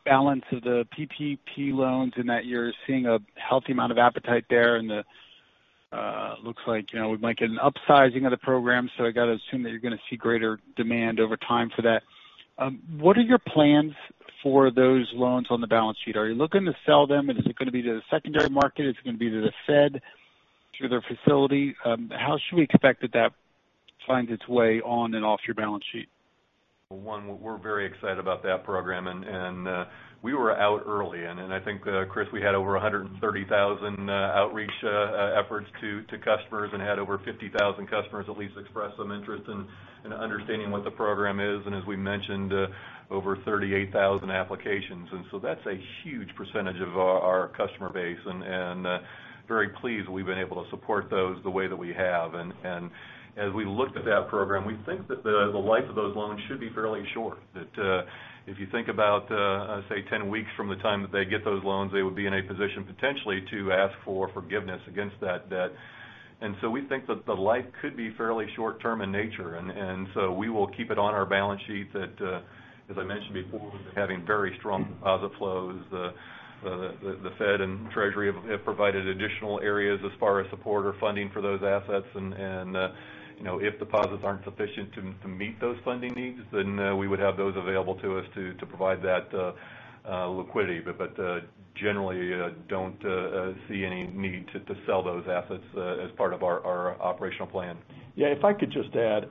balance of the PPP loans in that you're seeing a healthy amount of appetite there and looks like, you know, we might get an upsizing of the program. So I got to assume that you're going to see greater demand over time for that. What are your plans for those loans on the balance sheet? Are you looking to sell them and is it going to be to the secondary market? Is it going to be to the Fed through their facility? How should we expect that find its way on and off your balance sheet? One we're very excited about that program, and we were out early, and I think, Chris, we had over 130,000 outreach efforts to customers and had over 50,000 customers at least express some interest in understanding what the program is. And as we mentioned, over 38,000 applications. And so that's a huge percentage of our customer base, and very pleased we've been able to support those the way that we have. And as we look at that program, we think that the life of those loans should be fairly short, that if you think about, say, 10 weeks from the time that they get those loans, they would be in a position potentially to ask for forgiveness against that debt. And so we think that the life could be fairly short term in nature. And so we will keep it on our balance sheet that as I mentioned before, having very strong deposit flows, the Fed and Treasury have provided additional areas as far as support or funding for those assets. And if deposits aren't sufficient to meet those funding needs, then we would have those available to us to provide that liquidity, but generally don't see any need to sell those assets as part of our operational plan. Yeah, if I could just add,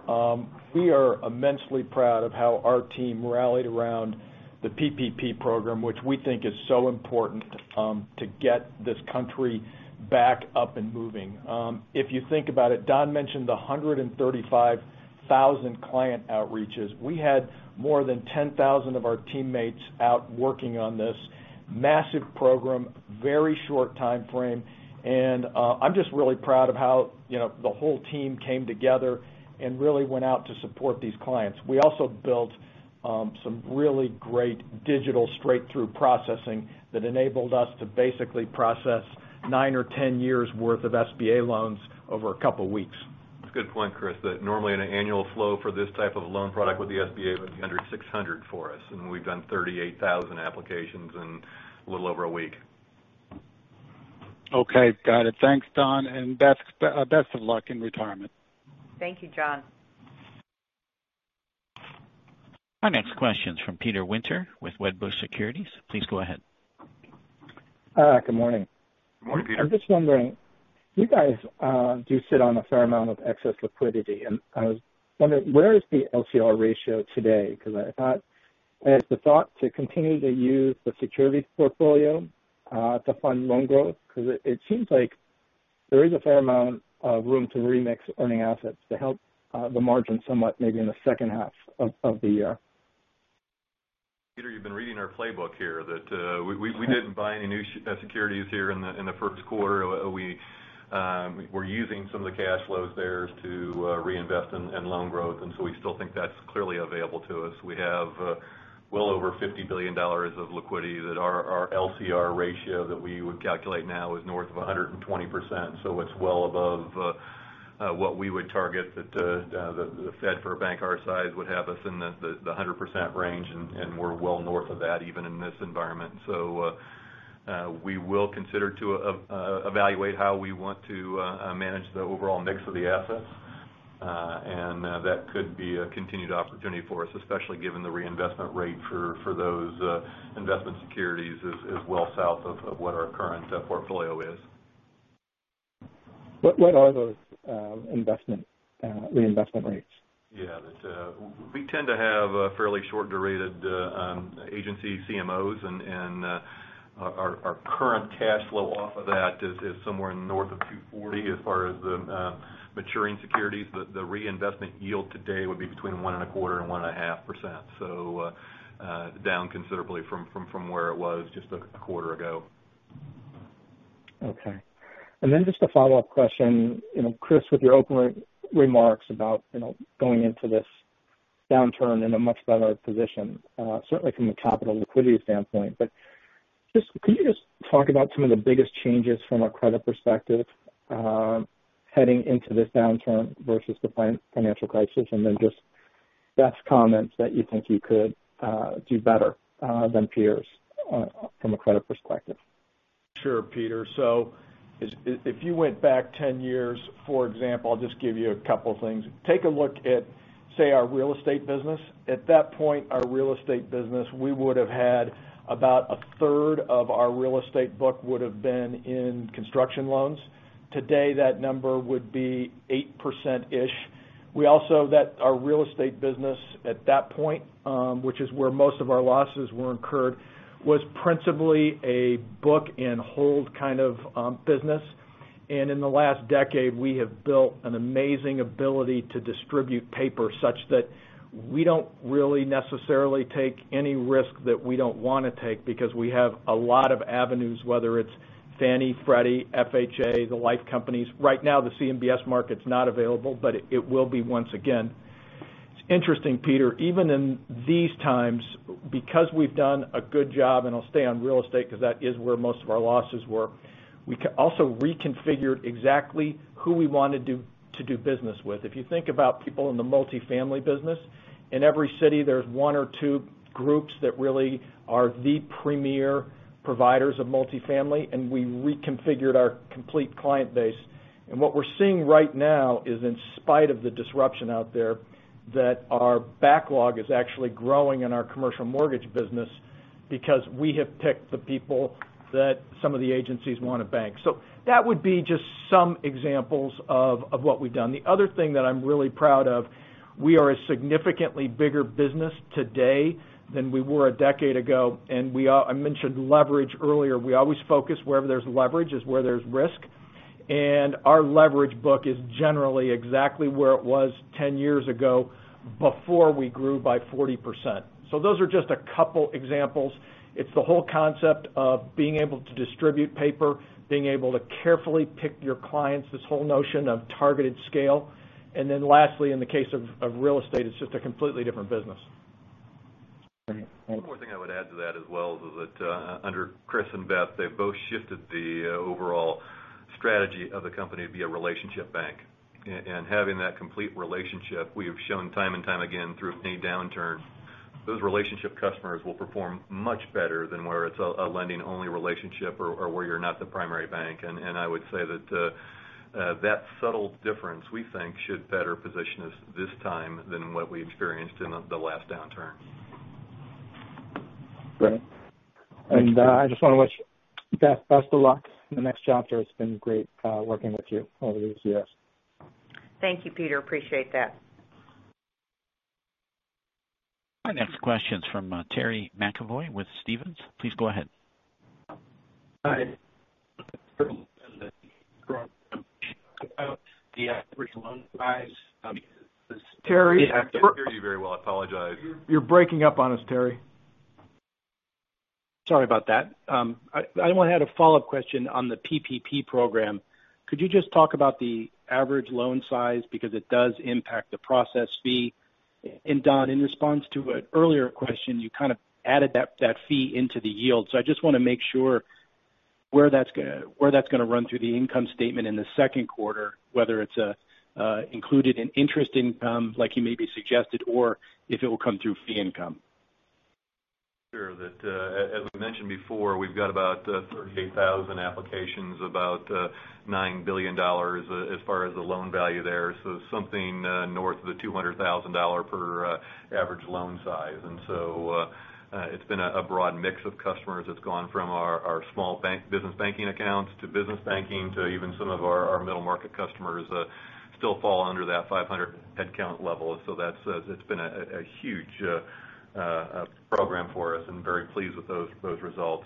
we are immensely proud of how our team rallied around the PPP program, which we think is so important to get this country back up and moving, if you think about it. Don mentioned the 135,000 client outreaches. We had more than 10,000 of our teammates out working on this massive program. Very short time frame, and I'm just really proud of how the whole team came together and really went out to support these clients. We also built some really great digital straight through processing that enabled us to basically process nine or 10 years worth of SBA loans over a couple weeks. That's a good point, Chris, that normally an annual flow for this type of loan product with the SBA would be under 600 for us, and we've done 38,000 applications in a little over a week. Okay, got it. Thanks. Don and Beth, best of luck in retirement. Thank you, John. Our next question is from Peter Winter with Wedbush Securities. Please go ahead. Good morning. Good morning, Peter. I'm just wondering, you guys do sit on a fair amount of excess liquidity and I was wondering where is the LCR ratio today? Because I thought it's the thought to continue to use the security portfolio to fund loan growth because it seems like there is a fair amount of room to remix earning assets to help the margin somewhat, maybe in the second half of the year. Peter, you've been reading our playbook here that we didn't buy any new securities here in the first quarter. We were using some of the cash flows there to reinvest in loan growth. And so we still think that's clearly available to us. We have well over $50 billion of liquidity that our LCR ratio that we would calculate now is north of 120%. So it's well above what we would target that the Fed, for a bank our size would have us in the 100% range and we're well north of that even in this environment. So we will consider to evaluate how we want to manage the overall mix of the assets. And that could be a continued opportunity for us, especially given the reinvestment rate for those investment securities is well south of what our current portfolio is. What are those investment reinvestment rates? Yeah, we tend to have fairly short duration agency CMOs, and our current cash flow off of that is so somewhere north of 240. As far as the maturing securities, the reinvestment yield today would be between 1.25% and 1.5%, so down considerably from where it was just a quarter ago. Okay, and then just a follow-up question, Chris, with your opening remarks about going into this downturn in a much better position, certainly from a capital liquidity standpoint. But could you just talk about some of the biggest changes from a credit perspective heading into this downturn versus the financial crisis and then just brief comments that you think you could do better than peers from a credit perspective. Sure, Peter. So if you went back 10 years, for example, I'll just give you a couple things. Take a look at say our real estate business at that point, our real estate business, we would have had about a third of our real estate book would have been in construction loans. Today that number would be 8%ish. We also saw that our real estate business at that point, which is where most of our losses were incurred, was principally a book and hold kind of business. And in the last decade we have built an amazing, amazing ability to distribute paper such that we don't really necessarily take any risk that we don't want to take because we have a lot of avenues, whether it's Fannie, Freddie, FHA, the life companies. Right now the CMBS market is not available, but it will be once again. It's interesting, Peter, even in these times, because we've done a good job. And I'll stay on real estate because that is where most of our losses were. We also reconfigured exactly who we wanted to do business with. If you think about people in the multifamily business, in every city, there's one or two groups that really are the premier providers of multifamily, and we reconfigured our complete client base, and what we're seeing right now is in spite of the disruption out there, that our backlog is actually growing in our commercial mortgage business because we have picked the people that some of the agencies want to bank, so that would be just some examples of what we've done. The other thing that I'm really proud of, we are a significantly bigger business today than we were a decade ago, and I mentioned leverage earlier. We always focus wherever there's leverage is where there's risk, and our leverage book is generally exactly where it was 10 years ago before we grew by 40%, so those are just a couple examples. It's the whole concept of being able to distribute paper, being able to carefully pick your clients, this whole notion of targeted scale, and then lastly in the case of real estate, it's just a completely different business. One more thing I would add to that as well is that under Chris and Beth, they both shifted the overall strategy of the company to be a relationship bank, and having that complete relationship. We have shown time and time again through any downturn, those relationship customers will perform much better than where it's a lending only relationship or where you're not the primary bank, and I would say that that subtle difference we think should better position us this time than what we experienced in the last downturn. Great, and I just want to wish best of luck the next job here. It's been great working with you over these years. Thank you, Peter. Appreciate that. Our next question is from Terry McEvoy with Stephens. Please go ahead. Terry. Apologize. You're breaking up on us, Terry. Sorry about that. Anyone had a follow up question on the PPP program? Could you just talk about the average loan size because it does impact the process fee, and Don, in response to an earlier question, you kind of added that fee into the yield, so I just want to make sure. Where that's going to run through the income statement in the second quarter, whether it's included in interest income like you maybe suggested, or if it will come through fee income? Sure. As we mentioned before, we've got about 38,000 applications, about $9 billion as far as the loan value there. So something north of the $200,000 per average loan size. And so it's been a broad mix of customers that's gone from our small business banking accounts to business banking to even some of our middle market customers still fall under that 500 headcount level. So it's been a huge program for us, and very pleased with those results.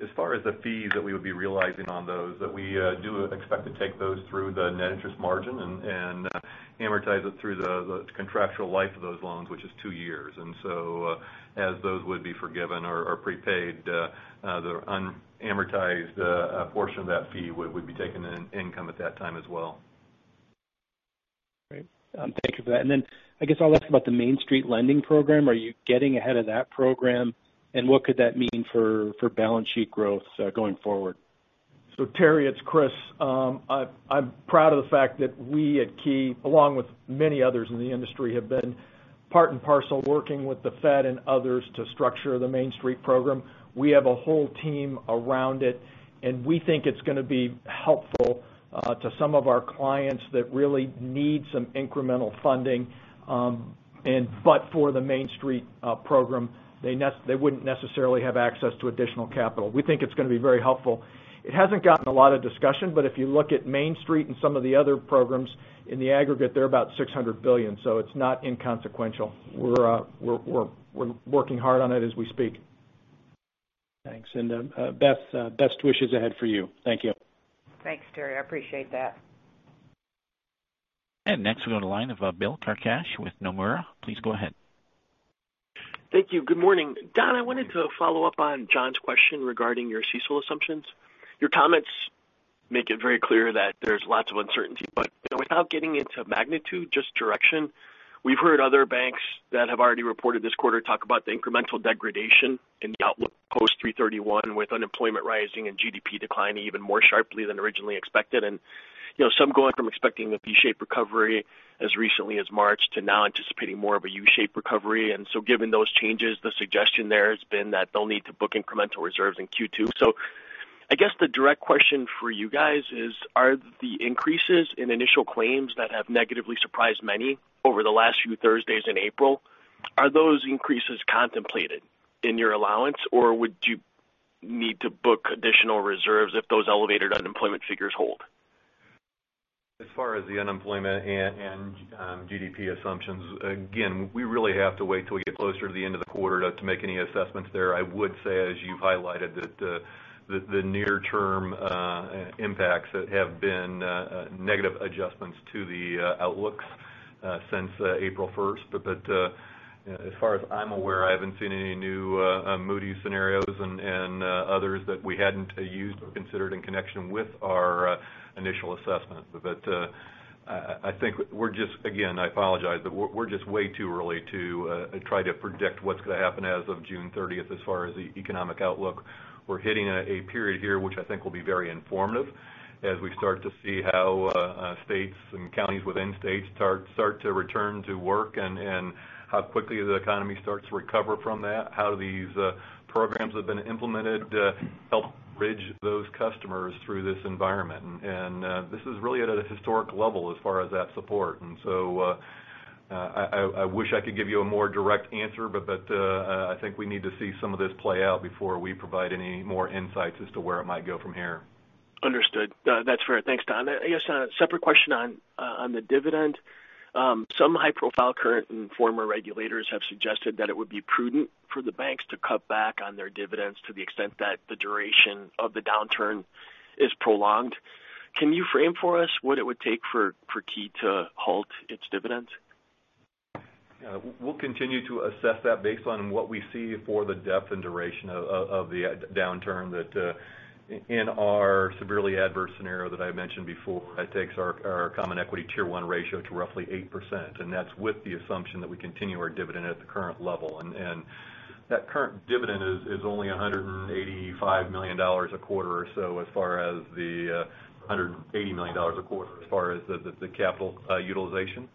As far as the fees that we would be realizing on those, we do expect to take those through the net interest margin and amortize it through the contractual life of those loans, which is two years. And so as those would be forgiven or prepaid, the unamortized portion of that fee would, we'd be taking an income at that time as well. Great, thank you for that. And then I guess I'll ask about the Main Street Lending Program. Are you getting ahead of that program and what could that mean for balance sheet growth going forward? So, Terry, it's Chris. I'm proud of the fact that we at Key, along with many others in the industry have been part and parcel working with the Fed and others to structure the Main Street Program. We have a whole team around it and we think it's going to be helpful to some of our clients that really need some incremental funding. But for the Main Street Program, they wouldn't necessarily have access to additional capital. We think it's going to be very helpful. It hasn't gotten a lot of discussion, but if you look at Main Street and some of the other programs in the aggregate, they're about $600 billion. So it's not inconsequential. We're working hard on it as we speak. Thanks. And Beth, best wishes ahead for you. Thank you. Thanks Terry, I appreciate that. And next we go to the line of Bill Carcache with Nomura. Please go ahead. Thank you. Good morning. Don, I wanted to follow up on John's question regarding your CECL assumptions. Your comments make it very clear that there's lots of uncertainty but without getting into magnitude just direction. We've heard other banks that have already reported this quarter talk about the incremental degradation in the outlook post 3/31 with unemployment rising and GDP declining even more sharply than originally expected and you know, some going from expecting a V- shaped recovery as recently as March to now anticipating more of a U-shaped recovery. And so given those changes, the suggestion there has been that they'll need to book incremental reserves in Q2. So I guess the direct question for you guys is, are the increases in initial claims that have negatively surprised many over the last few Thursdays in April, are those increases contemplated in your allowance or would you need to book additional reserves if those elevated unemployment figures hold? As far as the unemployment and GDP assumptions, again, we really have to wait until we get closer to the end of the quarter to make any assessments there. I would say as you've highlighted this, the near-term impacts that have been negative adjustments to the outlooks since April 1st. But as far as I'm aware, I haven't seen any new Moody's scenarios and others that we hadn't used or considered in connection with our initial assessment. But I think we're just, again, I apologize, but we're just way too early to assess to try to predict what's going to happen as of June 30. As far as the economic outlook, we're hitting a period here which I think will be very informative as we start to see how states and counties within states start to return to work and how quickly the economy starts to recover from that. How these programs have been implemented help bridge those customers through this environment, and this is really at a historic level as far as that support, and so I wish I could give you a more direct answer, but I think we need to see some of this play out before we provide any more insights as to where it might go from here. Understood. That's fair. Thanks, Don. I guess a separate question on the dividend. Some high-profile current and former regulators have suggested that it would be prudent for the banks to cut back on their dividends to the extent that the duration of the downturn prolonged. Can you frame for us what it would take for Key to halt its dividends? We'll continue to assess that based on what we see for the depth and duration of the downturn, that in our severely adverse scenario that I mentioned before, it takes our Common Equity Tier 1 ratio to roughly 8%. That's with the assumption that we continue our dividend at the current level and that current dividend is only $185 million a quarter or so as far as the $180 million a quarter as far as the capital utilization,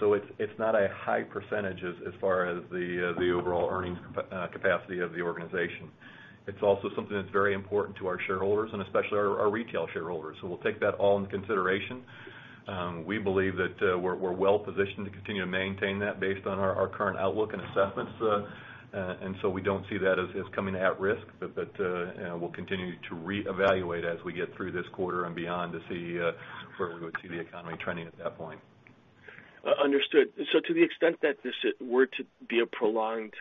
so it's not a high percentage as far as the overall earnings capacity of the organization. It's also something that's very important to our shareholders and especially our retail shareholders, so we'll take that all into consideration. We believe that we're well positioned to continue to maintain that based on our current outlook and assessments. And so we don't see that as coming at risk, but we'll continue to reevaluate as we get through this quarter and beyond to see where we would see the economy trending at that point. Understood. So to the extent that this were to be a prolonged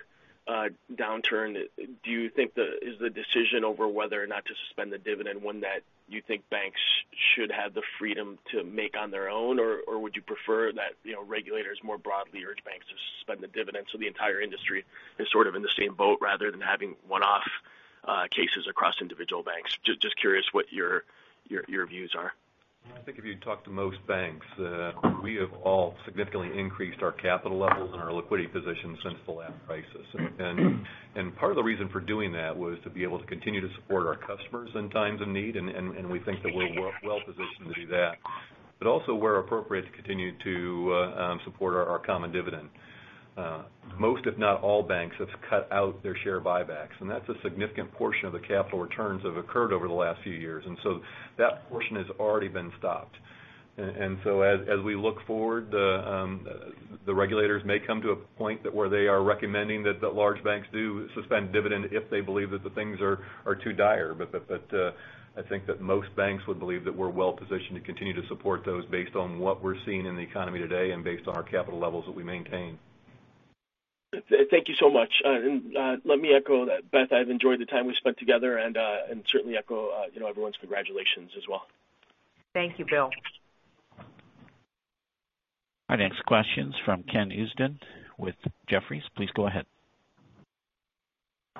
downturn, do you think is the decision over whether or not to suspend the dividend one that you think banks should have the freedom to make on their own, or would you prefer that regulators more broadly urge banks to suspend the dividend? So the entire industry is sort of in the same boat rather than having one-off cases across individual banks? Just curious what your views are. I think if you talk to most banks, we have all significantly increased our capital levels and our liquidity position since the last crisis. And part of the reason for doing that was to be able to continue to support our customers in times of need. And we think that we're well positioned to do that, but also, where appropriate, to continue to support our common dividend. Most, if not all banks have cut out their share buybacks, and that's a significant portion of the capital returns that have occurred over the last few years. And so that portion has already been stopped. And so as we look forward, the regulators may come to a point where they are recommending that large banks do suspend dividend if they believe that the things are too dire. But I think that most banks would believe that we're well positioned to continue to support those based on what we're seeing in the economy today and based on our capital levels that we maintain. Thank you so much. Let me echo that, Beth. I've enjoyed the time we spent together and certainly echo everyone's congratulations as well. Thank you, Bill. Our next question is from Ken Usdin with Jefferies. Please go ahead.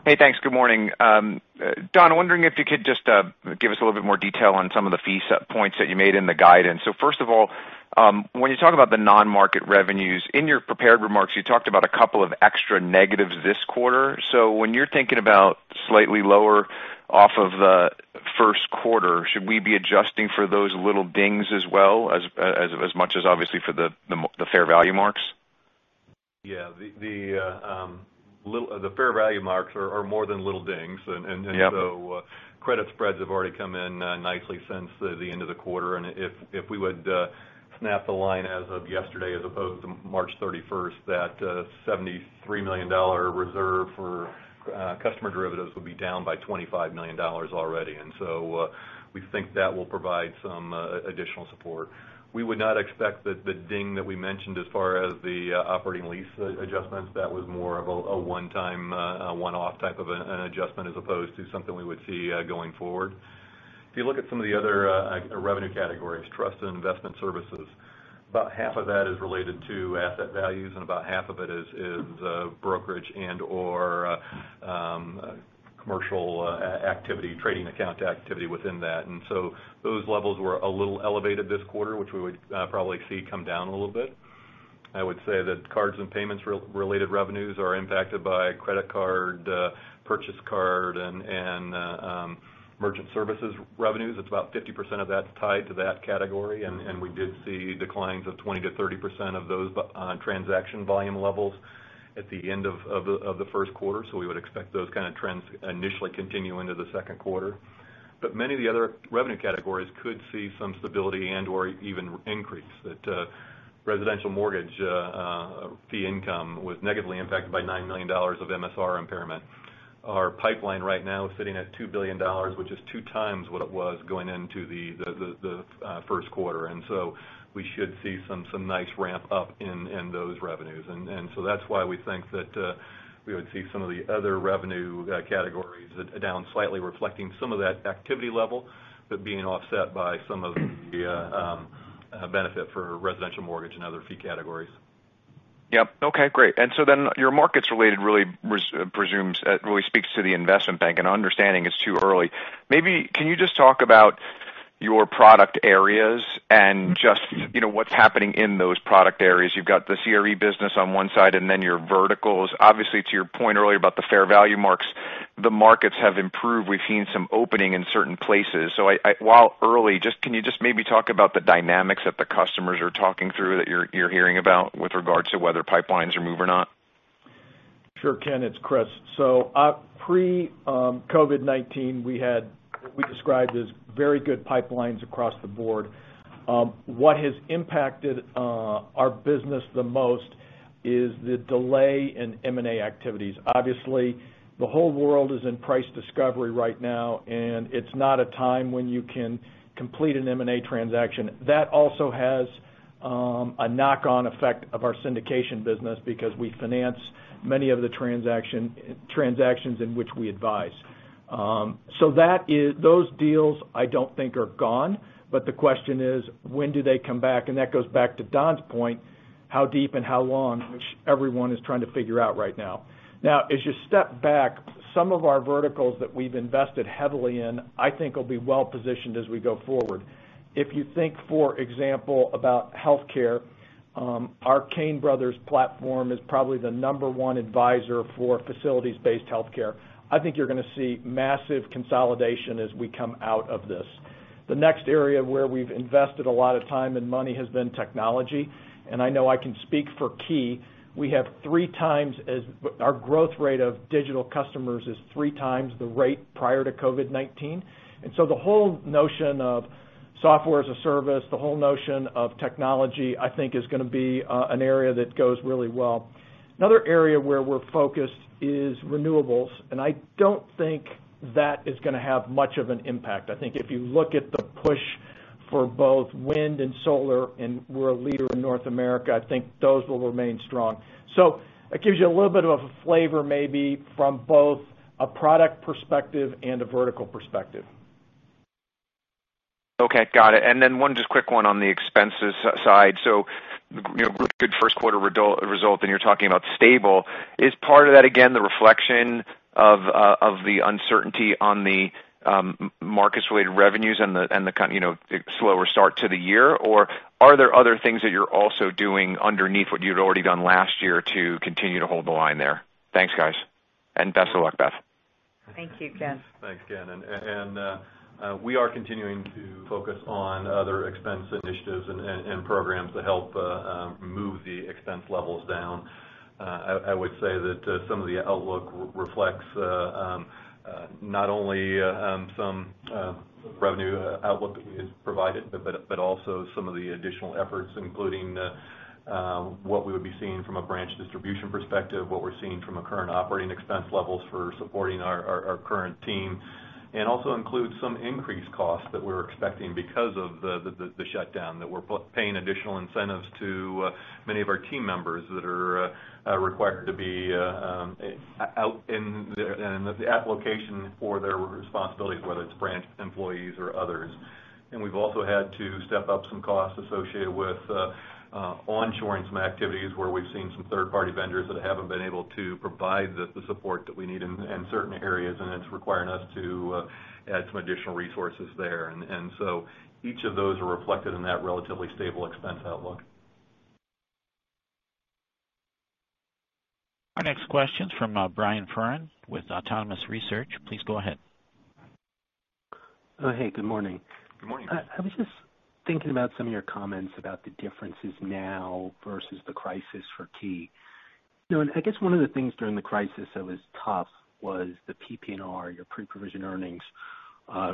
Hey, guys. Good morning. Don, wondering if you could just give us. A little bit more detail on some of the fee setpoints that you made in the guidance. So first of all, when you talk about the non-markets revenues, in your prepared remarks, you talked about a couple of extra negatives this quarter. So when you're thinking about slightly lower off of the first quarter, should we be adjusting for those little dings as well as much as obviously for the fair value marks? Yes. The fair value marks are more than little dings, and so credit spreads have already come in nicely since the end of the quarter, and if we would snap the line as of yesterday as opposed to March 31, that $73 million reserve for customer derivatives would be down by $25 million already, and so we think that will provide some additional support. We would not expect that. The ding that we mentioned as far as the operating lease adjustments. That was more of a one-time, one-off type of an adjustment as opposed to something we would see going forward. If you look at some of the other revenue categories, trust and investment services. About half of that is related to asset values and about half of it is brokerage and or. Commercial activity, trading activities within that, and so those levels were a little elevated this quarter, which we would probably see come down a little bit. I would say that cards and payments related revenues are impacted by credit card purchase card and merchant services revenues. It's about 50% of that tied to that category, and we did see declines of 20%-30% of those transaction volume levels at the end of the first quarter, so we would expect those kind of trends initially continue into the second quarter, but many of the other revenue categories could see some stability and or even increase. That residential mortgage fee income was negatively impacted by $9 million of MSR impairment. Our pipeline right now is sitting at $2 billion, which is two times what it was going into the first quarter. And so we should see some nice ramp up in those revenues. And so that's why we think that we would see some of the other revenue categories down slightly, reflecting some of that activity level, but being offset by some of the benefit for residential mortgage and other fee categories. Yep. Okay, great. And so then your markets related really. Presumes, really speaks to the investment bank and understanding it's too early, maybe. Can you just talk about your product? areas and just, you know, what's happening in those product areas. You've got the CRE business on one side and then your verticals, obviously, to your point earlier about the fair value. Marks, the markets have improved, we've seen some opening in certain places. So while early, just. Can you just maybe talk about the? Dynamics that the customers are talking through that you're hearing about with regards to whether pipelines are moved or not? Sure. Ken, it's Chris. So pre-COVID-19 we had what we described as very good pipelines across the board. What has impacted our business the most is the delay in M&A activities. Obviously the whole world is in price discovery right now and it's not a time when you can complete an M&A transaction. That also has a knock-on effect on our syndication business because we finance many of the transactions in which we advise. So those deals, I don't think, are gone. But the question is when do they come back? And that goes back to Don's point. How deep and how long, which everyone is trying to figure out right now. Now as you step back, some of our verticals that we've invested heavily in I think will be well positioned as we go forward. If you think, for example, about health care, our Cain Brothers platform is probably the number one advisor for facilities-based healthcare. I think you're going to see massive consolidation as we come out of this. The next area where we've invested a lot of time and money has been technology, and I know I can speak for Key. Our growth rate of digital customers is three times the rate prior to COVID-19. And so the whole notion of software as a service, the whole notion of technology I think is going to be an area that goes really well. Another area where we're focused is renewables, and I don't think that is going to have much of an impact. I think if you look at the push for both wind and solar and we're a leader in North America, I think those will remain strong. So it gives you a little bit of a flavor maybe from both a product perspective and a vertical perspective. Okay, got it. And then one just quick one on the expenses side. So, good first quarter result, and you're talking about stable. Is part of that again the reflection of the uncertainty on the markets, related revenues and the slower start to the year or are there other things that you're also doing underneath what you'd already done last year to continue to hold the line there? Thanks guys and best of luck, Beth. Thank you, Ken. Thanks, Ken. And we are continuing to focus on other expense initiatives and programs to help move the expense levels down. I would say that some of the outlook reflects not only some revenue outlook that we provided but also some of the additional efforts including what we would be seeing from a branch distribution perspective, what we're seeing from a current operating expense levels for supporting our current team, and also includes some increases costs that we're expecting because of the shutdown that we're paying additional incentives to many of our team members that are required to be out in the application for their responsibilities, whether it's branch employees or others. And we've also had to step up some costs associated with onshoring, some activities where we've seen some third-party vendors that haven't been able to provide the support that we need in certain areas and it's requiring us to add some additional resources there. And so each of those are reflected in that relatively stable expense outlook. Our next question is from Brian Foran with Autonomous Research. Please go ahead. Hey, good morning. Good morning. I was just thinking about some of your comments about the differences now versus the crisis for Key. I guess one of the things during the crisis that was tough was the PPR. Your pre-provision earnings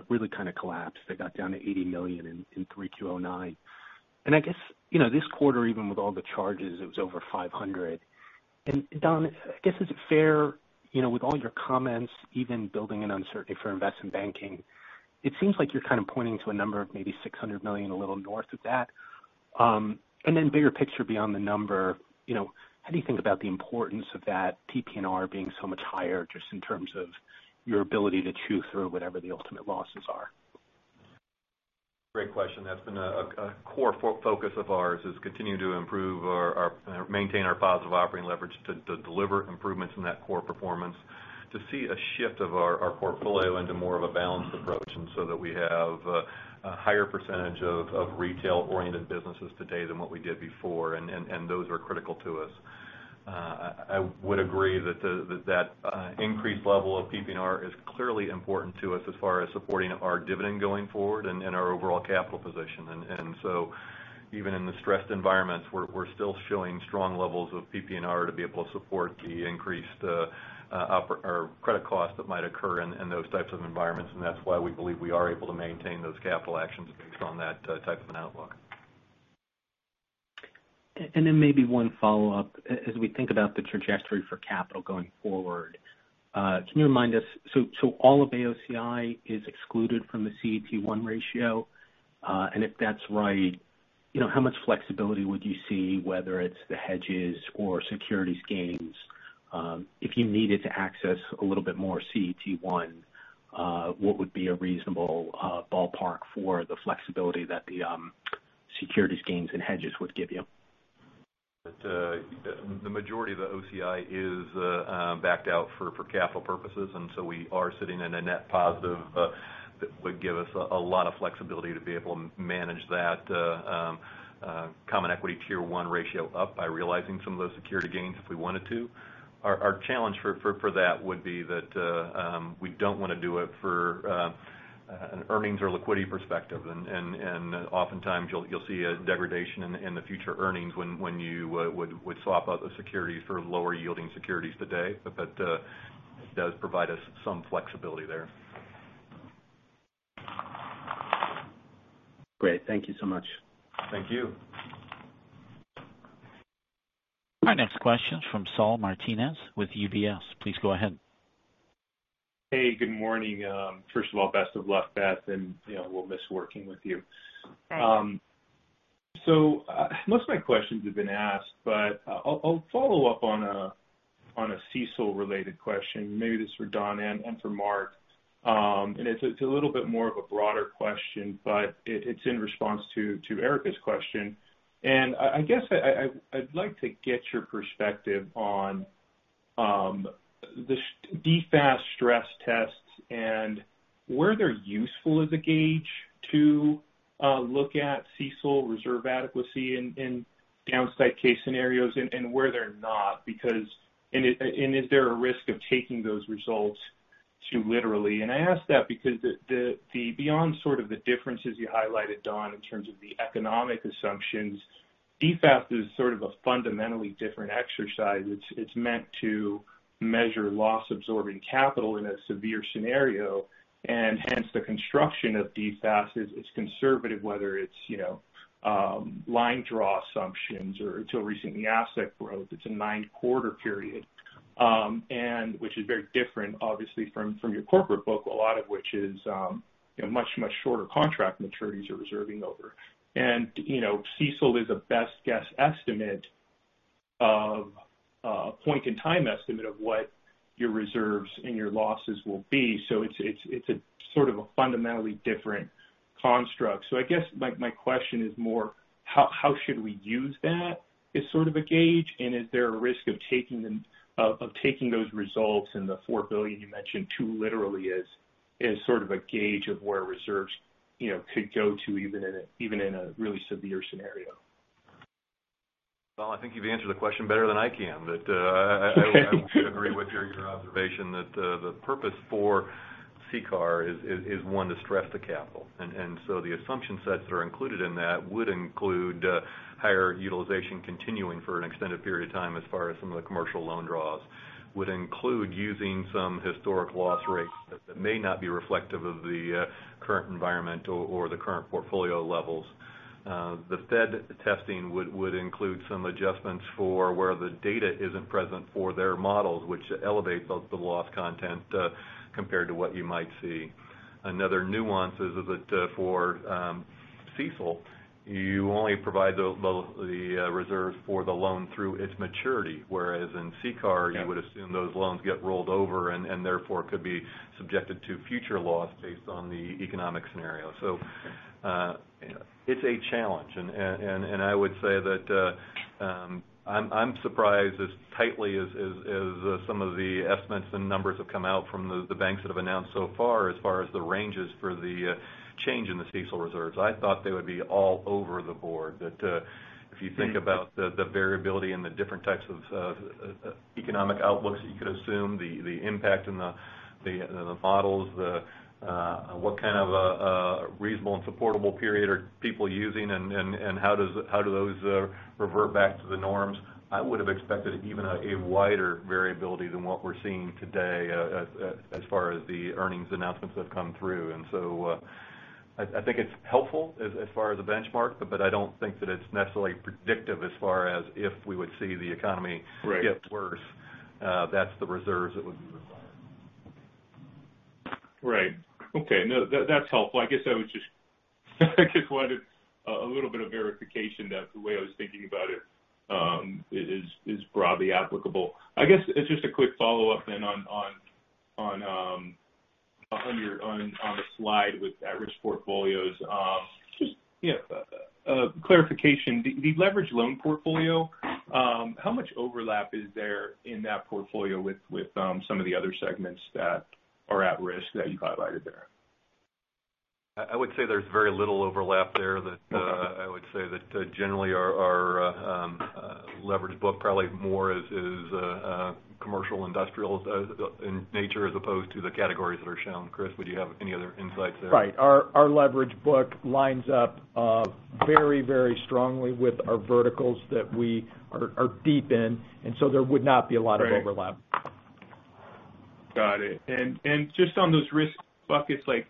really kind of collapsed. They got down to $80 million in 3Q 2009 and I guess this quarter even with all the charges it was over $500 million. And Don, I guess is it fair with all your comments even building in uncertainty for investment banking? It seems like you're kind of pointing to a number of maybe $600 million a little north of that and then bigger picture beyond the number. How do you think about the importance of that PPR being so much higher just in terms of your ability to chew through whatever the ultimate losses are? Great question. That's been a core focus of ours, continuing to improve and maintain our positive operating leverage to deliver improvements in that core performance to see a shift of our portfolio into more of a balanced approach and so that we have a higher percentage of retail-oriented businesses today than what we did before and those are critical to us. I would agree that that increased level of PPNR is clearly important to us as far as supporting our dividend going forward and our overall capital position and so even in the stressed environments we're still showing strong levels of PPNR to be able to support the increased. Credit cost that might occur in those types of environments, and that's why we believe we are able to maintain those capital actions based on that type of an outlook. And then maybe one follow-up as we think about the trajectory for capital going forward. Can you remind us? So all of AOCI is excluded from the CET1 ratio, and if that's right, you know, how much flexibility would you see whether it's the hedges or securities gains, if you needed to access a little bit more CET1? What would be a reasonable ballpark for the flexibility that the securities gains and hedges would give you? The majority of the OCI is backed out for capital purposes, and so we are sitting in a net positive that would give us a lot of flexibility to be able to manage that Common Equity Tier 1 ratio up by realizing some of those security gains if we wanted to. Our challenge for that would be that we don't want to do it for an earnings or liquidity perspective, and oftentimes you'll see a degradation in the future earnings when you would swap out the securities for lower yielding securities today, but that does provide us some flexibility there. Great. Thank you so much. Thank you. Our next question is from Saul Martinez with UBS. Please go ahead. Hey, good morning. First of all, best of luck, Beth. And you know we'll miss working with you. Thanks. So most of my questions have been asked but I'll follow up on a CECL related question. Maybe this is for Don and for Mark, and it's a little bit more of a broader question, but it's in response to Erica's question, and I guess I'd like to get your perspective on the DFAST stress tests and where they're useful as a gauge to look at CECL reserve adequacy in downside case scenarios and where they're not because, and is there a risk of taking those results too literally? And I ask that because beyond sort of the differences you highlighted, Don, in terms of the economic assumptions, DFAST is sort of a fundamentally different exercise. It's meant to measure loss absorbing capital in a severe scenario and hence the construction of DFAST is conservative whether it's, you know, line draw assumptions or until recently asset growth. It's a nine-quarter period and which is very different obviously from your corporate book, a lot of which is much, much shorter contract maturities are reserving over and you know, CECL is a best guess estimate of point-in-time estimate of what your reserves and your losses will be. So it's a sort of a fundamentally different construct. So I guess my question is more how should we use that as sort of a gauge and is there a risk of taking them, of taking those results and the $4 billion you mentioned too literally is sort of a gauge of where reserves could go to even in a really severe scenario? Well, I think you've answered the question better than I can, that I agree with your observation that purpose for CCAR is one to stress the capital. And so the assumption sets that are included in that would include higher utilization continuing for an extended period of time. As far as some of the commercial loan draws would include using some historic loss rates that may not be reflective of the current environment or the current portfolio levels. The Fed testing would include some adjustments for where the data isn't present for their models, which elevates the loss content compared to what you might see. Another nuance is that for CECL you only provide the reserves for the loan through its maturity, whereas in CCAR you would assume those loans get rolled over and therefore could be subjected to future loss based on the economic scenario. So it's a change challenge. And I would say that. I'm surprised as tightly as some of the estimates and numbers have come out from the banks that have announced so far, as far as the ranges for the change in the CECL reserves, I thought they would be all over the board. But if you think about the variability in the different types of economic outlooks, you could assume the impact in the models, the what kind of a reasonable and supportable period are people using and how do those revert back to the norms. I would have expected even a wider variability than what we're seeing today as far as the earnings announcements have come through. And so I think it's helpful as far as a benchmark, but I don't think that it's necessarily predictive as far as if we would see the economy get worse, that's the reserves that would be required. Right. Okay, that's helpful. I guess I was just, I just wanted a little bit of verification that. The way I was thinking about it is broadly applicable. I guess it's just a quick follow up then on the slide with at-risk portfolios. Just clarification, the leveraged loan portfolio, how much overlap is there in that portfolio? With some of the other segments that are at risk that you highlighted there? I would say there's very little overlap there that I would say that generally our leverage book, probably more is commercial industrials in nature as opposed to the categories that are shown. Chris, would you have any other insights there? Right. Our leverage book lines up very, very strongly with our verticals that we are deep in and so there would not be a lot of overlap. Got it. And just on those risk buckets like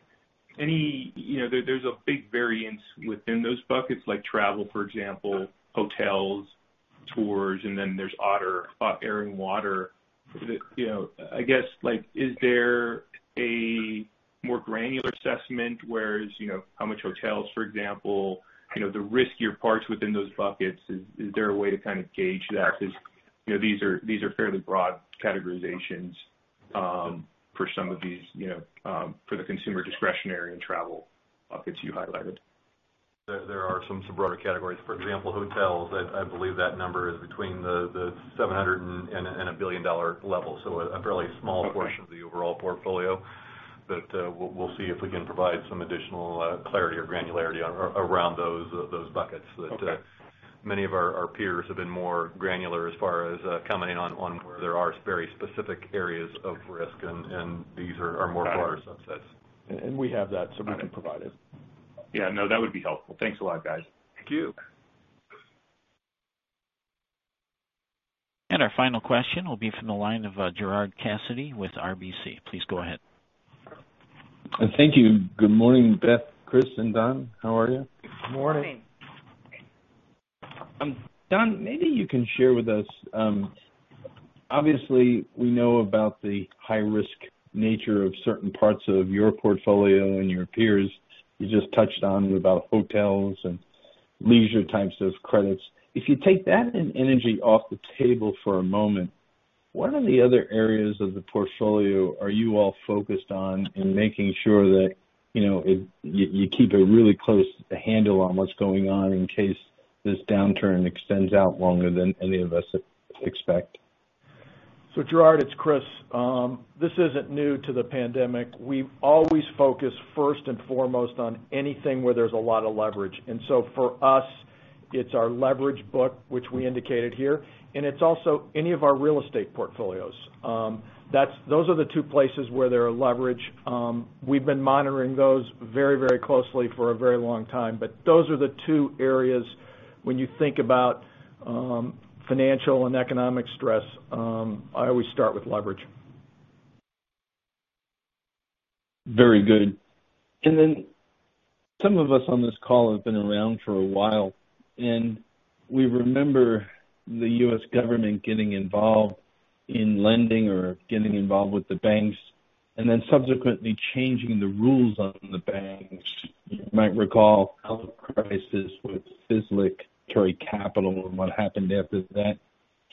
any, you know, there's a big variance within those buckets, like travel, for example, hotels, tours, and then there's Auto, Air, and Waters, you know, I guess, like, is there a more granular assessment? Whereas, you know, how much hotels for. Example, you know, the riskier parts within those buckets. Is there a way to kind of gauge that? You know, these are fairly broad categorizations. For some of these, you know, for. The consumer discretionary and travel buckets you Highlighted, there are some broader categories. For example, hotels, I believe that number is between the $700 and $1 billion-dollar level, so a fairly small portion of the utility overall portfolio, but we'll see if we can provide some additional clarity or granularity around those buckets that many of our peers have been more granular as far as commenting on where there are very specific areas of risk and these are more broader subsets. We have that, so we can provide it. Yeah, no, that would be helpful. Thanks a lot, guys. Thank you. And our final question will be from the line of Gerard Cassidy with RBC. Please go ahead. Thank you. Good morning, Beth, Chris and Don. How are you? Good morning. Don, maybe you can share with us. Obviously, we know about the high risk. Nature of certain parts of your portfolio. Your peers, you just touched on about hotels and leisure types of credits. If you take that energy off the table for a moment, what are the Other areas of the portfolio are you. All focused on in making sure that, you know, you keep a really close handle on what's going on in case. This downturn extends out longer than any of us expect. so, Gerard. It's Chris. This isn't new to the pandemic. We always focus, first and foremost, on anything where there's a lot of leverage, and so for us, it's our leverage book, which we indicated here, and it's also any of our real estate portfolios. Those are the two places where there are leverage. We've been monitoring those very, very closely for a very long time but those are the two areas. When you think about financial and economic stress, I always start with leverage. Very good, and then some of us on this call have been around for a while and we remember the U.S. government getting involved in lending or getting involved with the banks and then subsequently changing the. Rules on the banks. You might recall crisis with FSLIC capital and what happened after that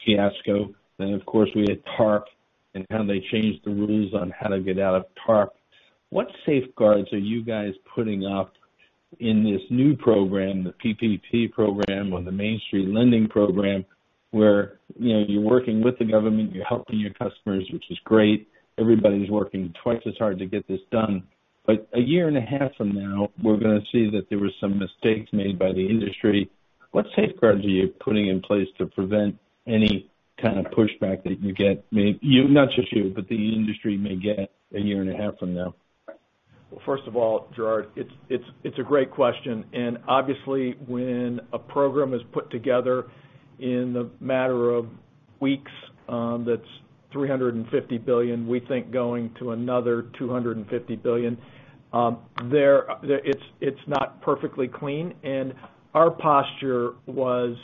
fiasco. Then, of course, we had TARP and how they changed the rules on how to get out of TARP. What safeguards are you guys putting up in this new program, the PPP program or the Main Street Lending Program, where, you know, you're working with the government, you're helping your customers, which is great? Everybody's working twice as hard to get this done. But a year and a half from now, we're going to see that there were some mistakes made by the industry. What safeguards are you putting in place to prevent any kind of pushback that? You get, not just you, but the. Industry may get a year and a half from now? Well, first of all, Gerard, it's a great question. And obviously when a program is put together in a matter of weeks, that's $350 billion, we think going to another $250 billion. It's not perfectly clean. And our posture was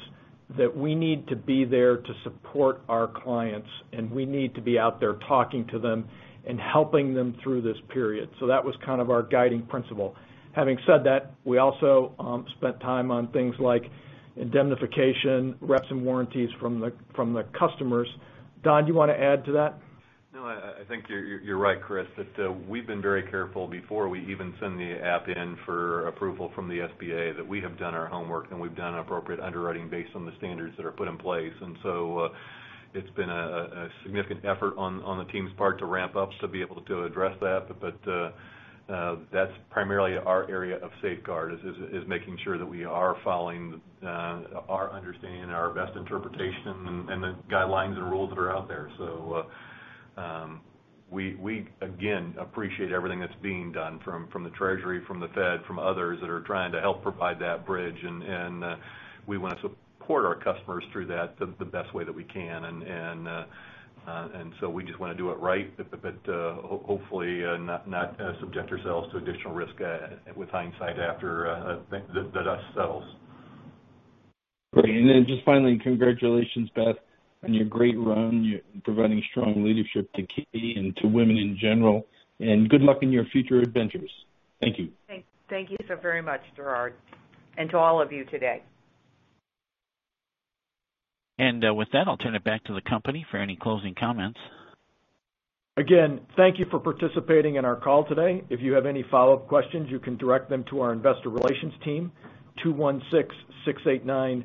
that we need to be there to support our clients and we need to be out there talking to them and helping them through this period. So that was kind of our guiding principle. Having said that, we also spent time on things like indemnification reps and warranties from the customers. Don, do you want to add to that? No, I think you're right, Chris, that we've been very careful before we even send the app in for approval from the SBA, that we have done our homework and we've done appropriate underwriting based on the standards that are put in place, and so it's been a significant effort on the team's part to ramp up to be able to address that, but that's primarily our area of safeguard, is making sure that we are following our understanding, our best understanding interpretation, and the guidelines and rules that are out there, so. We again appreciate everything that's being done from the Treasury, from the Fed, from others that are trying to help provide that bridge, and we want to support our customers through that the best way that we can. And so we just want to do it right, but hopefully not subject ourselves to additional risk. With hindsight, after that, U.S. settles. Great. And then, just finally, congratulations, Beth, on your great run providing strong leadership to KeyCorp and to women in general. And good luck in your future adventures. Thank you. Thank you so very much, Gerard, and to all of you today. With that, I'll turn it back to the company for any closing comments. Again, thank you for participating in our call today. If you have any follow-up questions, you can direct them to our Investor Relations team. 216-689-4221.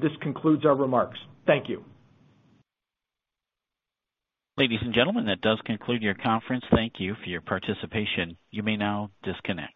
This concludes our remarks. Thank you. Ladies and gentlemen. That does conclude your conference. Thank you for your participation. You may now disconnect.